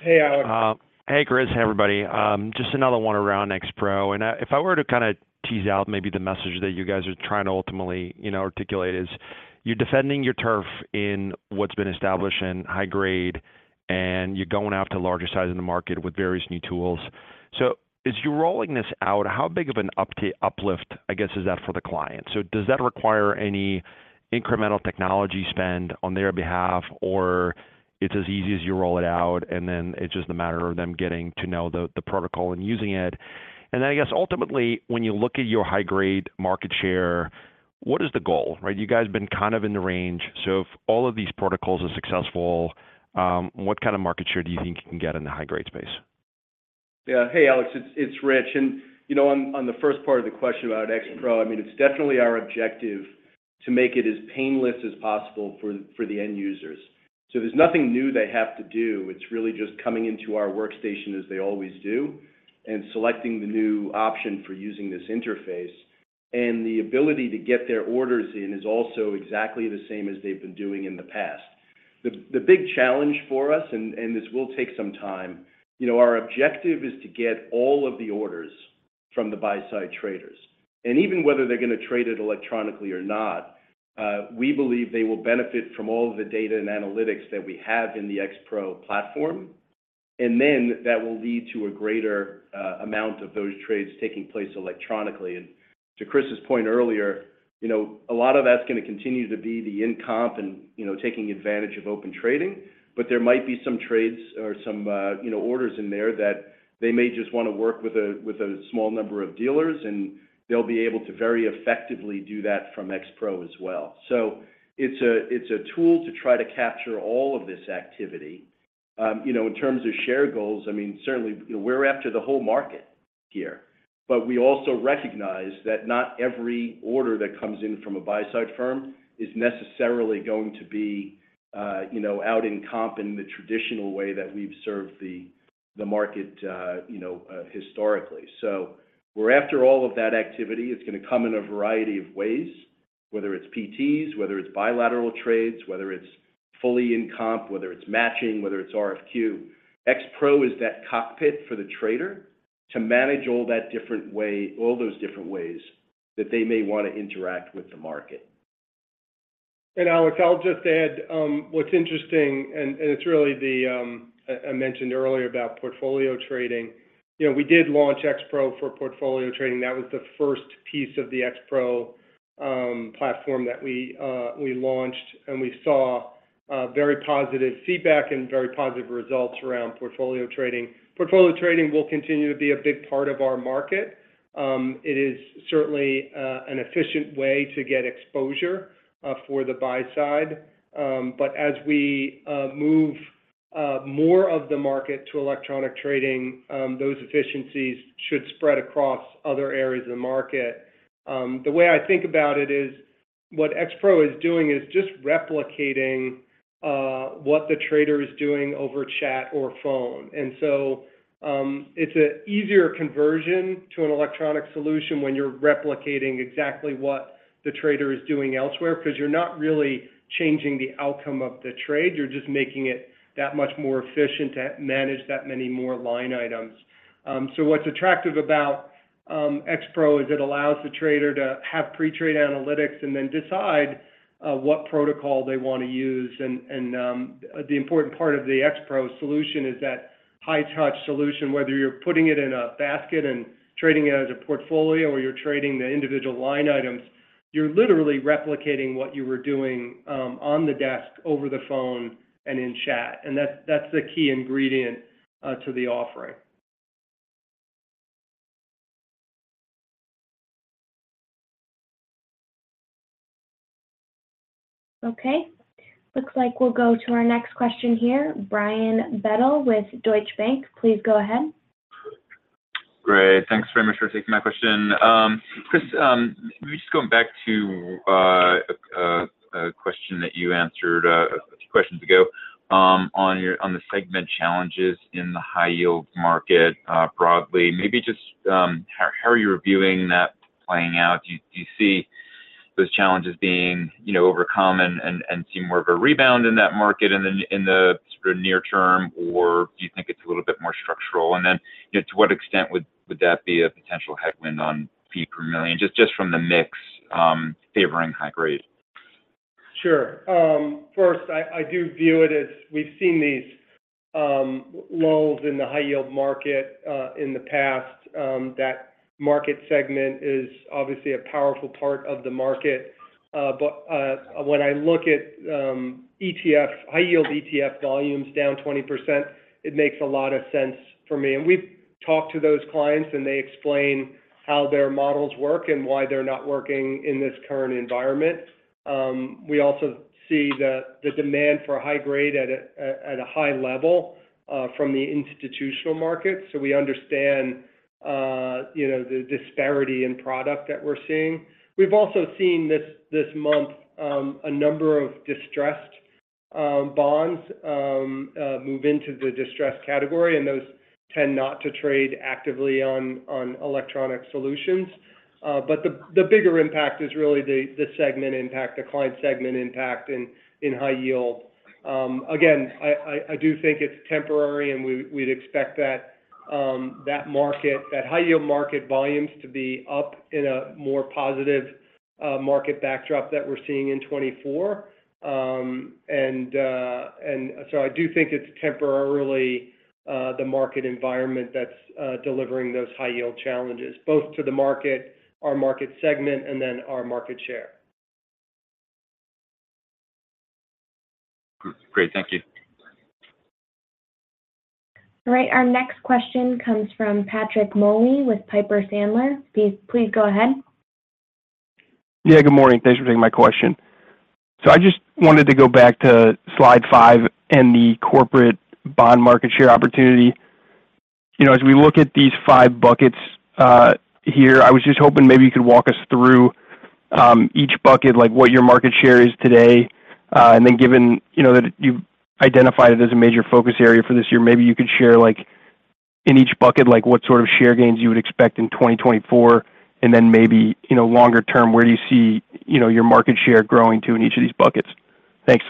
Hey, Alex. Hey, Chris. Hey, everybody. Just another one around X-Pro, and if I were to kind of tease out maybe the message that you guys are trying to ultimately, you know, articulate is, you're defending your turf in what's been established in high-grade, and you're going after larger size in the market with various new tools. So as you're rolling this out, how big of an uplift, I guess, is that for the client? So does that require any incremental technology spend on their behalf, or it's as easy as you roll it out, and then it's just a matter of them getting to know the protocol and using it? And then, I guess, ultimately, when you look at your high-grade market share, what is the goal, right? You guys have been kind of in the range, so if all of these protocols are successful, what kind of market share do you think you can get in the high-grade space? Yeah. Hey, Alex, it's Rich, and, you know, on the first part of the question about X-Pro, I mean, it's definitely our objective to make it as painless as possible for the end users. So there's nothing new they have to do. It's really just coming into our workstation as they always do and selecting the new option for using this interface, and the ability to get their orders in is also exactly the same as they've been doing in the past. The big challenge for us, and this will take some time... You know, our objective is to get all of the orders from the buy-side traders. Even whether they're going to trade it electronically or not, we believe they will benefit from all of the data and analytics that we have in the X-Pro platform, and then that will lead to a greater amount of those trades taking place electronically. To Chris's point earlier, you know, a lot of that's going to continue to be the in comp and, you know, taking advantage of Open Trading, but there might be some trades or some orders in there that they may just want to work with a small number of dealers, and they'll be able to very effectively do that from X-Pro as well. It's a tool to try to capture all of this activity. You know, in terms of share goals, I mean, certainly, we're after the whole market here, but we also recognize that not every order that comes in from a buy-side firm is necessarily going to be, you know, out in comp in the traditional way that we've served the, the market, you know, historically. So we're after all of that activity. It's going to come in a variety of ways, whether it's PTs, whether it's bilateral trades, whether it's fully in comp, whether it's matching, whether it's RFQ. X-Pro is that cockpit for the trader to manage all that different way—all those different ways that they may want to interact with the market. Alex, I'll just add, what's interesting, and it's really, I mentioned earlier about portfolio trading. You know, we did launch X-Pro for portfolio trading. That was the first piece of the X-Pro platform that we launched, and we saw very positive feedback and very positive results around portfolio trading. Portfolio trading will continue to be a big part of our market. It is certainly an efficient way to get exposure for the buy side. But as we move more of the market to electronic trading, those efficiencies should spread across other areas of the market. The way I think about it is, what X-Pro is doing is just replicating what the trader is doing over chat or phone. It's an easier conversion to an electronic solution when you're replicating exactly what the trader is doing elsewhere, because you're not really changing the outcome of the trade. You're just making it that much more efficient to manage that many more line items. So what's attractive about X-Pro is it allows the trader to have pre-trade analytics and then decide what protocol they want to use. And the important part of the X-Pro solution is that high-touch solution, whether you're putting it in a basket and trading it as a portfolio, or you're trading the individual line items, you're literally replicating what you were doing on the desk, over the phone, and in chat, and that's the key ingredient to the offering. Okay. Looks like we'll go to our next question here. Brian Bedell with Deutsche Bank, please go ahead. Great. Thanks very much for taking my question. Chris, let me just going back to a question that you answered a few questions ago on the segment challenges in the high-yield market, broadly. Maybe just how are you reviewing that playing out? Do you see those challenges being, you know, overcome and see more of a rebound in that market in the sort of near term, or do you think it's a little bit more structural? And then, you know, to what extent would that be a potential headwind on fee per million, just from the mix favoring high-grade? Sure. First, I do view it as we've seen these lulls in the high-yield market in the past. That market segment is obviously a powerful part of the market. But when I look at ETF high-yield ETF volumes down 20%, it makes a lot of sense for me. And we've talked to those clients, and they explain how their models work and why they're not working in this current environment. We also see the demand for high grade at a high level from the institutional market, so we understand you know the disparity in product that we're seeing. We've also seen this month a number of distressed bonds move into the distressed category, and those tend not to trade actively on electronic solutions. But the bigger impact is really the segment impact, the client segment impact in high yield. Again, I do think it's temporary, and we'd expect that that market, that high-yield market volumes to be up in a more positive market backdrop that we're seeing in 2024. And so I do think it's temporarily the market environment that's delivering those high-yield challenges, both to the market, our market segment, and then our market share. Great. Thank you. All right, our next question comes from Patrick Moley with Piper Sandler. Please, please go ahead. Yeah, good morning. Thanks for taking my question. So I just wanted to go back to slide 5 and the corporate bond market share opportunity. You know, as we look at these five buckets, here, I was just hoping maybe you could walk us through, each bucket, like, what your market share is today. And then given, you know, that you've identified it as a major focus area for this year, maybe you could share, like, in each bucket, like, what sort of share gains you would expect in 2024, and then maybe, you know, longer term, where do you see, you know, your market share growing to in each of these buckets? Thanks.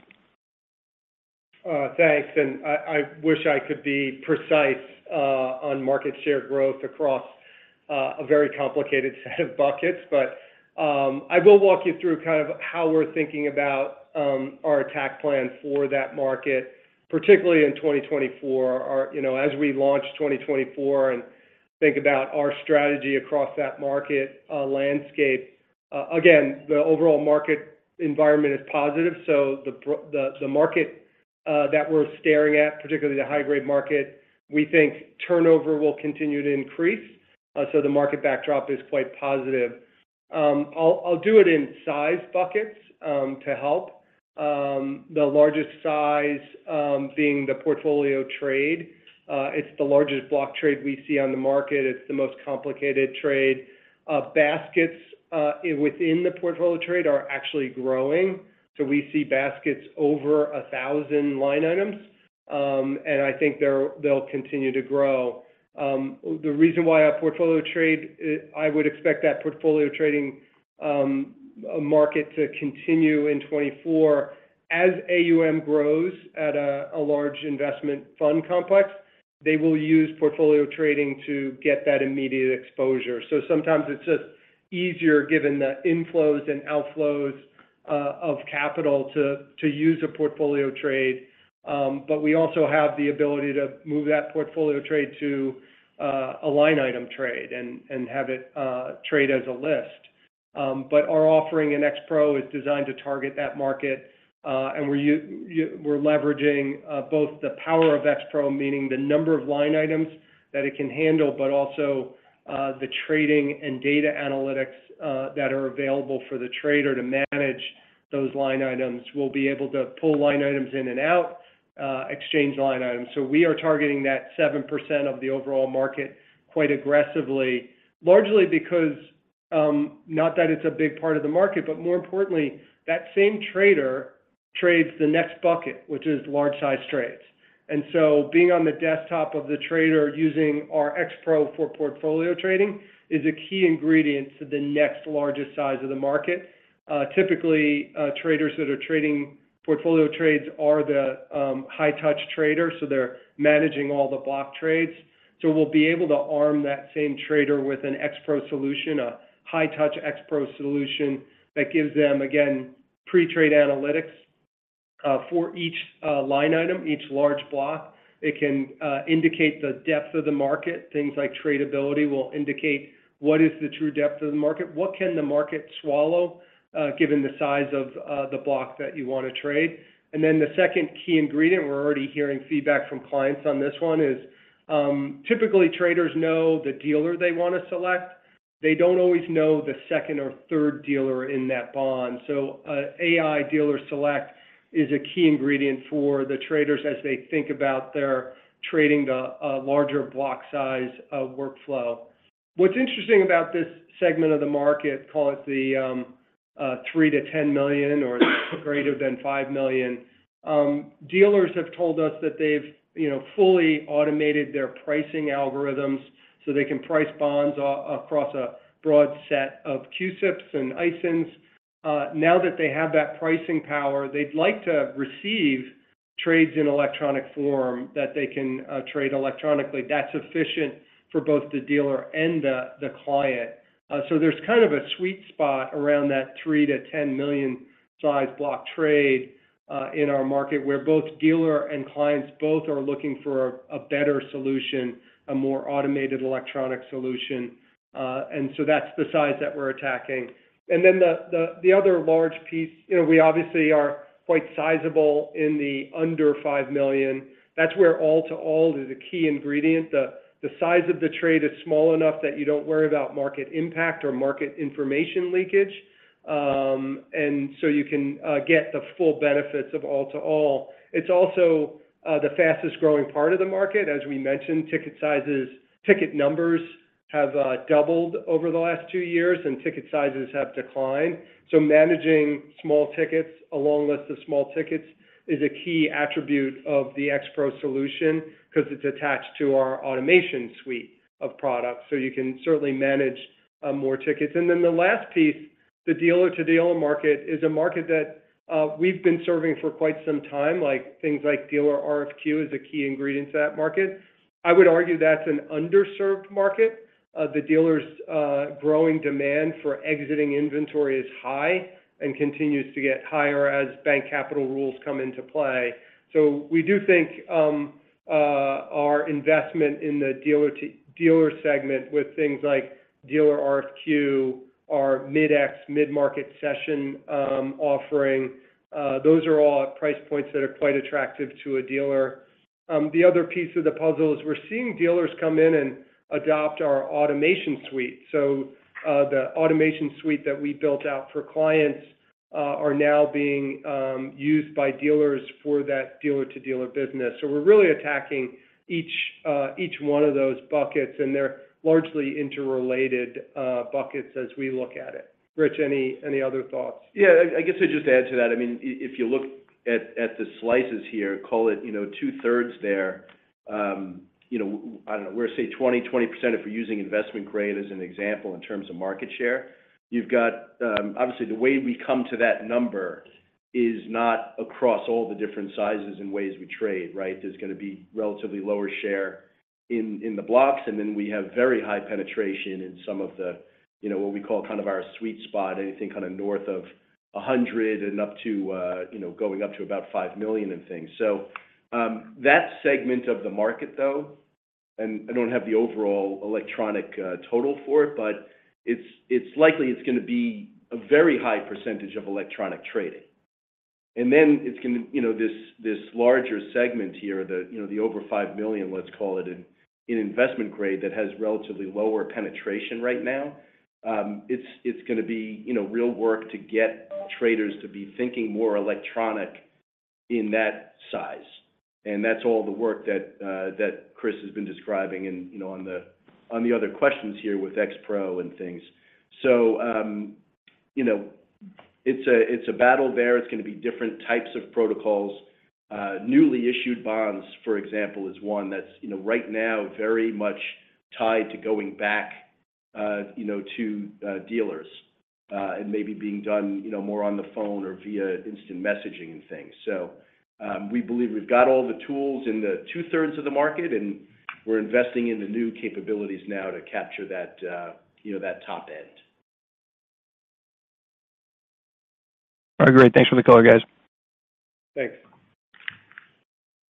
Thanks. I wish I could be precise on market share growth across a very complicated set of buckets, but I will walk you through kind of how we're thinking about our attack plan for that market, particularly in 2024. You know, as we launch 2024 and think about our strategy across that market landscape, again, the overall market environment is positive, so the market that we're staring at, particularly the high-grade market, we think turnover will continue to increase, so the market backdrop is quite positive. I'll do it in size buckets to help, the largest size being the portfolio trade. It's the largest block trade we see on the market. It's the most complicated trade. Baskets within the portfolio trade are actually growing, so we see baskets over 1,000 line items, and I think they'll continue to grow. The reason why a portfolio trade, I would expect that portfolio trading market to continue in 2024. As AUM grows at a large investment fund complex, they will use portfolio trading to get that immediate exposure. So sometimes it's just easier, given the inflows and outflows of capital, to use a portfolio trade, but we also have the ability to move that portfolio trade to a line item trade and have it trade as a list. But our offering in X-Pro is designed to target that market, and we're leveraging both the power of X-Pro, meaning the number of line items that it can handle, but also the trading and data analytics that are available for the trader to manage those line items. We'll be able to pull line items in and out, exchange line items. So we are targeting that 7% of the overall market quite aggressively, largely because, not that it's a big part of the market, but more importantly, that same trader trades the next bucket, which is large-sized trades. And so being on the desktop of the trader, using our X-Pro for portfolio trading, is a key ingredient to the next largest size of the market. Typically, traders that are trading portfolio trades are the high-touch traders, so they're managing all the block trades. So we'll be able to arm that same trader with an X-Pro solution, a high-touch X-Pro solution, that gives them, again, pre-trade analytics for each line item, each large block. It can indicate the depth of the market. Things like Tradability will indicate what is the true depth of the market, what can the market swallow, given the size of the block that you want to trade. And then the second key ingredient, we're already hearing feedback from clients on this one, is typically, traders know the dealer they want to select.... They don't always know the second or third dealer in that bond. So, AI Dealer Select is a key ingredient for the traders as they think about their trading the larger block size of workflow. What's interesting about this segment of the market, call it the $3 million-$10 million or greater than $5 million, dealers have told us that they've, you know, fully automated their pricing algorithms, so they can price bonds across a broad set of CUSIPs and ISINs. Now that they have that pricing power, they'd like to receive trades in electronic form that they can trade electronically. That's efficient for both the dealer and the client. So there's kind of a sweet spot around that $3 million-10 million size block trade in our market, where both dealer and clients both are looking for a better solution, a more automated electronic solution. And so that's the size that we're attacking. And then the other large piece, you know, we obviously are quite sizable in the under $5 million. That's where all to all is a key ingredient. The size of the trade is small enough that you don't worry about market impact or market information leakage. And so you can get the full benefits of all to all. It's also the fastest growing part of the market. As we mentioned, ticket sizes - ticket numbers have doubled over the last two years, and ticket sizes have declined. So managing small tickets, a long list of small tickets, is a key attribute of the X-Pro solution because it's attached to our Automation suite of products, so you can certainly manage more tickets. And then the last piece, the dealer-to-dealer market, is a market that we've been serving for quite some time, like, things like Dealer RFQ is a key ingredient to that market. I would argue that's an underserved market. The dealers' growing demand for exiting inventory is high and continues to get higher as bank capital rules come into play. So we do think our investment in the dealer-to-dealer segment with things like Dealer RFQ, our Mid-X mid-market session offering, those are all at price points that are quite attractive to a dealer. The other piece of the puzzle is we're seeing dealers come in and adopt our Automation suite. So the Automation suite that we built out for clients are now being used by dealers for that dealer-to-dealer business. So we're really attacking each one of those buckets, and they're largely interrelated buckets as we look at it. Rich, any other thoughts? Yeah, I guess I'd just add to that. I mean, if you look at the slices here, call it, you know, two-thirds there, you know, I don't know, we're say 20-20%, if we're using investment grade as an example in terms of market share. You've got—Obviously, the way we come to that number is not across all the different sizes and ways we trade, right? There's going to be relatively lower share in the blocks, and then we have very high penetration in some of the, you know, what we call kind of our sweet spot, anything kind of north of $100 up to, you know, going up to about $5 million and things. So, that segment of the market, though, and I don't have the overall electronic, total for it, but it's, it's likely it's going to be a very high percentage of electronic trading. And then it's going to. You know, this, this larger segment here, the, you know, the over $5 million, let's call it, in, in investment grade that has relatively lower penetration right now, it's, it's going to be, you know, real work to get traders to be thinking more electronic in that size. And that's all the work that, that Chris has been describing and, you know, on the, on the other questions here with X-Pro and things. So, you know, it's a, it's a battle there. It's going to be different types of protocols. Newly issued bonds, for example, is one that's, you know, right now, very much tied to going back, you know, to dealers, and maybe being done, you know, more on the phone or via instant messaging and things. So, we believe we've got all the tools in the two-thirds of the market, and we're investing in the new capabilities now to capture that, you know, that top end. All right, great. Thanks for the call, guys. Thanks.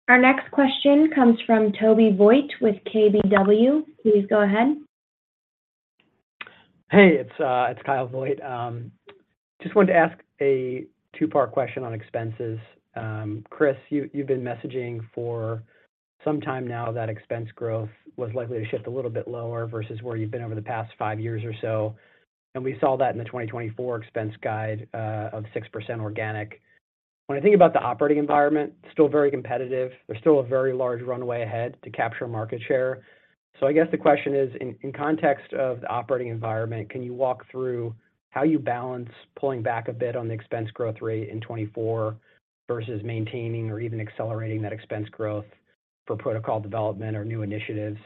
Our next question comes from Kyle Voigt with KBW. Please go ahead. Hey, it's Kyle Voigt. Just wanted to ask a two-part question on expenses. Chris, you've been messaging for some time now that expense growth was likely to shift a little bit lower versus where you've been over the past five years or so, and we saw that in the 2024 expense guide of 6% organic. When I think about the operating environment, still very competitive. There's still a very large runway ahead to capture market share. So I guess the question is, in context of the operating environment, can you walk through how you balance pulling back a bit on the expense growth rate in 2024 versus maintaining or even accelerating that expense growth for protocol development or new initiatives?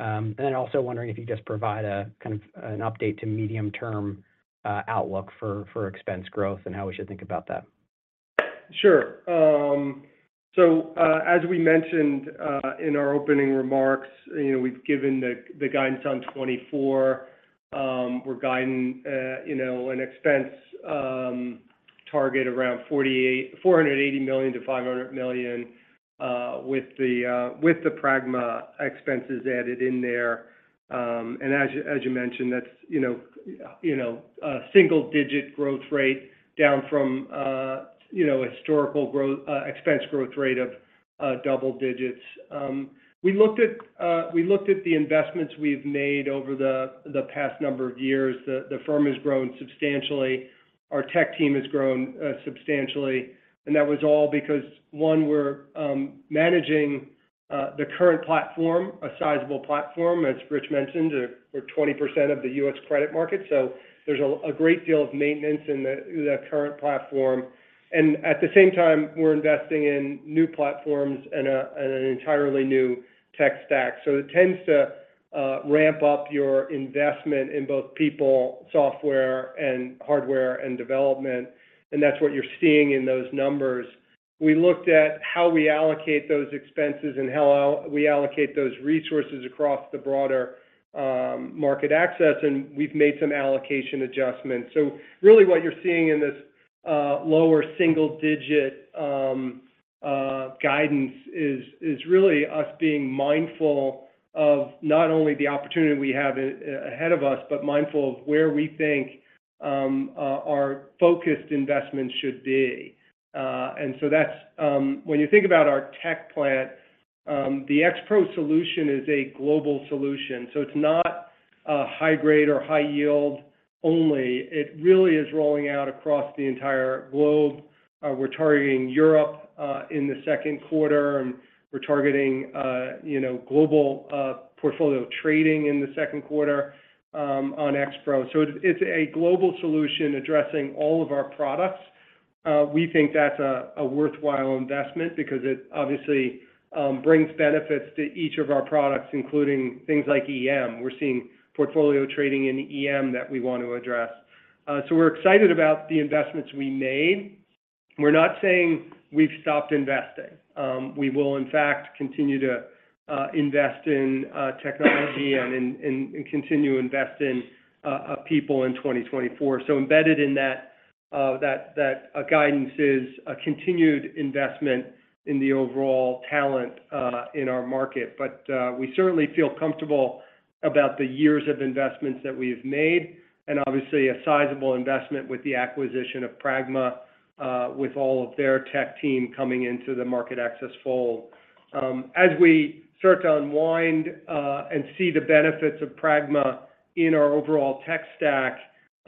And then also wondering if you could just provide a kind of an update to medium-term outlook for expense growth and how we should think about that? Sure. So, as we mentioned in our opening remarks, you know, we've given the guidance on 2024. We're guiding, you know, an expense target around $480 million-$500 million with the Pragma expenses added in there. And as you mentioned, that's, you know, you know, a single-digit growth rate down from, you know, historical growth, expense growth rate of double digits. We looked at the investments we've made over the past number of years. The firm has grown substantially. Our tech team has grown substantially, and that was all because, one, we're managing the current platform, a sizable platform, as Rich mentioned, we're 20% of the U.S. credit market. So there's a great deal of maintenance in the current platform, and at the same time, we're investing in new platforms and an entirely new tech stack. So it tends to ramp up your investment in both people, software, and hardware, and development, and that's what you're seeing in those numbers. We looked at how we allocate those expenses and how we allocate those resources across the broader MarketAxess, and we've made some allocation adjustments. So really, what you're seeing in this lower single digit guidance is really us being mindful of not only the opportunity we have ahead of us, but mindful of where we think our focused investments should be. And so that's... When you think about our tech plan, the X-Pro solution is a global solution, so it's not high grade or high yield only. It really is rolling out across the entire globe. We're targeting Europe in the second quarter, and we're targeting global portfolio trading in the second quarter on X-Pro. So it's a global solution addressing all of our products. We think that's a worthwhile investment because it obviously brings benefits to each of our products, including things like EM. We're seeing portfolio trading in EM that we want to address. So we're excited about the investments we made. We're not saying we've stopped investing. We will, in fact, continue to invest in technology and continue to invest in people in 2024. So embedded in that guidance is a continued investment in the overall talent in our market. But we certainly feel comfortable about the years of investments that we've made, and obviously, a sizable investment with the acquisition of Pragma with all of their tech team coming into the MarketAxess fold. As we start to unwind and see the benefits of Pragma in our overall tech stack,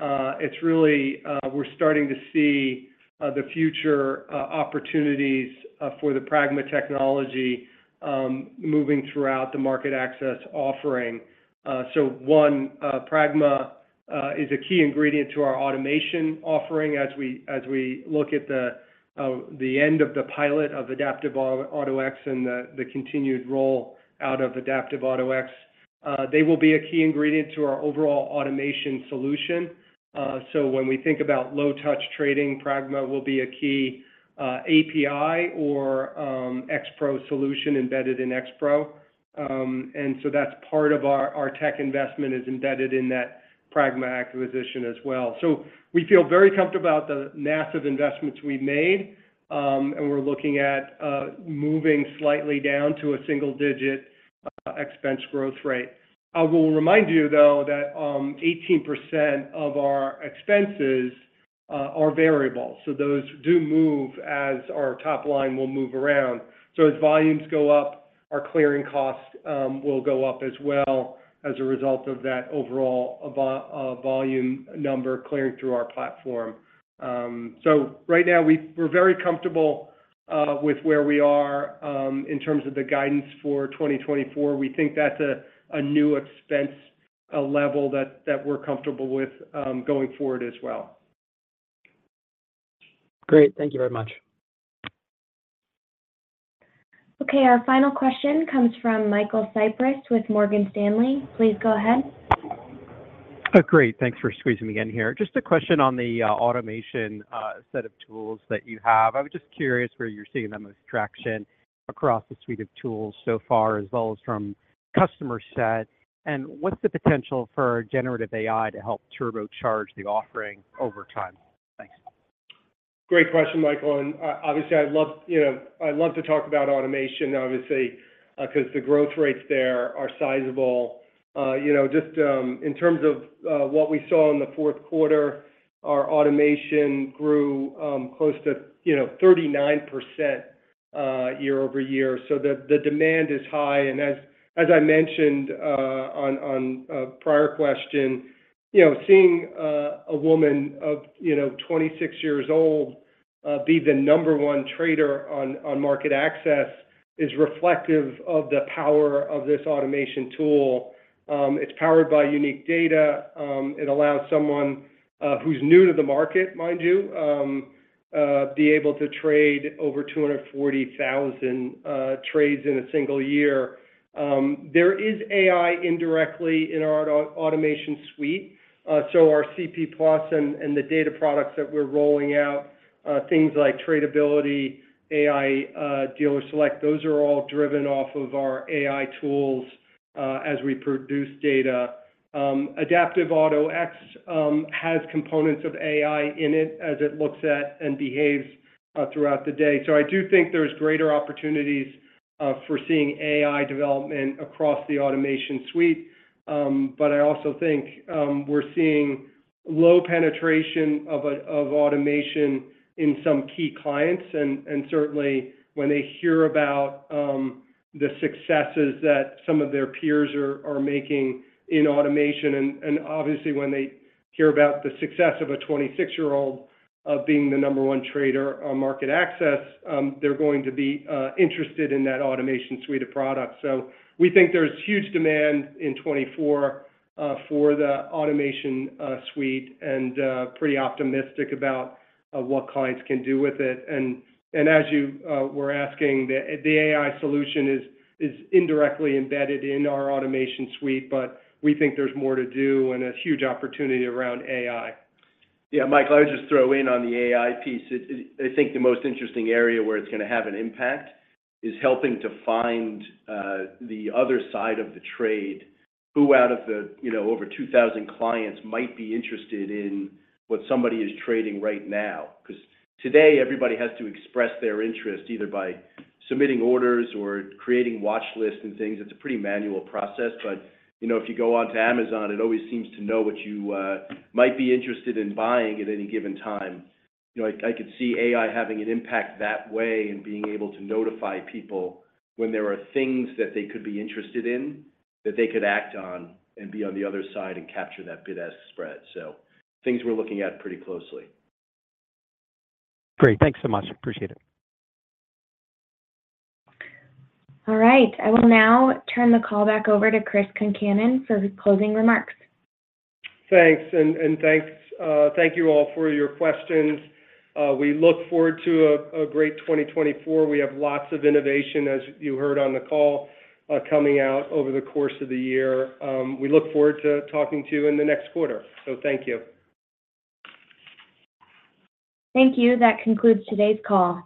it's really we're starting to see the future opportunities for the Pragma technology moving throughout the MarketAxess offering. So one, Pragma is a key ingredient to our automation offering as we look at the end of the pilot of Adaptive Auto-X and the continued roll out of Adaptive Auto-X. They will be a key ingredient to our overall automation solution. So when we think about low-touch trading, Pragma will be a key API or X-Pro solution embedded in X-Pro. And so that's part of our tech investment is embedded in that Pragma acquisition as well. So we feel very comfortable about the massive investments we've made, and we're looking at moving slightly down to a single-digit expense growth rate. I will remind you, though, that 18% of our expenses are variable, so those do move as our top line will move around. So as volumes go up, our clearing costs will go up as well as a result of that overall volume number clearing through our platform. So right now, we're very comfortable with where we are in terms of the guidance for 2024. We think that's a new expense level that we're comfortable with going forward as well. Great. Thank you very much. Okay. Our final question comes from Michael Cyprys with Morgan Stanley. Please go ahead. Great. Thanks for squeezing me in here. Just a question on the automation set of tools that you have. I was just curious where you're seeing the most traction across the suite of tools so far, as well as from customer set, and what's the potential for generative AI to help turbocharge the offering over time? Thanks. Great question, Michael, and, obviously, I'd love, you know, I'd love to talk about automation, obviously, 'cause the growth rates there are sizable. You know, just, in terms of, what we saw in the fourth quarter, our automation grew, close to, you know, 39%, year-over-year. So the demand is high, and as I mentioned, on prior question, you know, seeing, a woman of, you know, 26 years old, be the number one trader on MarketAxess is reflective of the power of this automation tool. It's powered by unique data. It allows someone, who's new to the market, mind you, be able to trade over 240,000 trades in a single year. There is AI indirectly in our Automation suite, so our CP+ and the data products that we're rolling out, things like Tradability, AI Dealer Select, those are all driven off of our AI tools as we produce data. Adaptive Auto-X has components of AI in it as it looks at and behaves throughout the day. So I do think there's greater opportunities for seeing AI development across the Automation suite. But I also think we're seeing low penetration of automation in some key clients, and certainly when they hear about the successes that some of their peers are making in automation, and obviously, when they hear about the success of a 26-year-old being the number one trader on MarketAxess, they're going to be interested in that Automation suite of products. So we think there's huge demand in 2024 for the Automation suite, and pretty optimistic about what clients can do with it. And as you were asking, the AI solution is indirectly embedded in our Automation suite, but we think there's more to do and a huge opportunity around AI. Yeah, Mike, I'll just throw in on the AI piece. It, I think the most interesting area where it's gonna have an impact is helping to find the other side of the trade. Who out of the, you know, over 2,000 clients might be interested in what somebody is trading right now? Because today, everybody has to express their interest, either by submitting orders or creating watch lists and things. It's a pretty manual process, but, you know, if you go onto Amazon, it always seems to know what you might be interested in buying at any given time. You know, I, I could see AI having an impact that way and being able to notify people when there are things that they could be interested in, that they could act on, and be on the other side and capture that bid-ask spread. Things we're looking at pretty closely. Great. Thanks so much. Appreciate it. All right, I will now turn the call back over to Chris Concannon for his closing remarks. Thanks, and thanks. Thank you all for your questions. We look forward to a great 2024. We have lots of innovation, as you heard on the call, coming out over the course of the year. We look forward to talking to you in the next quarter, so thank you. Thank you. That concludes today's call.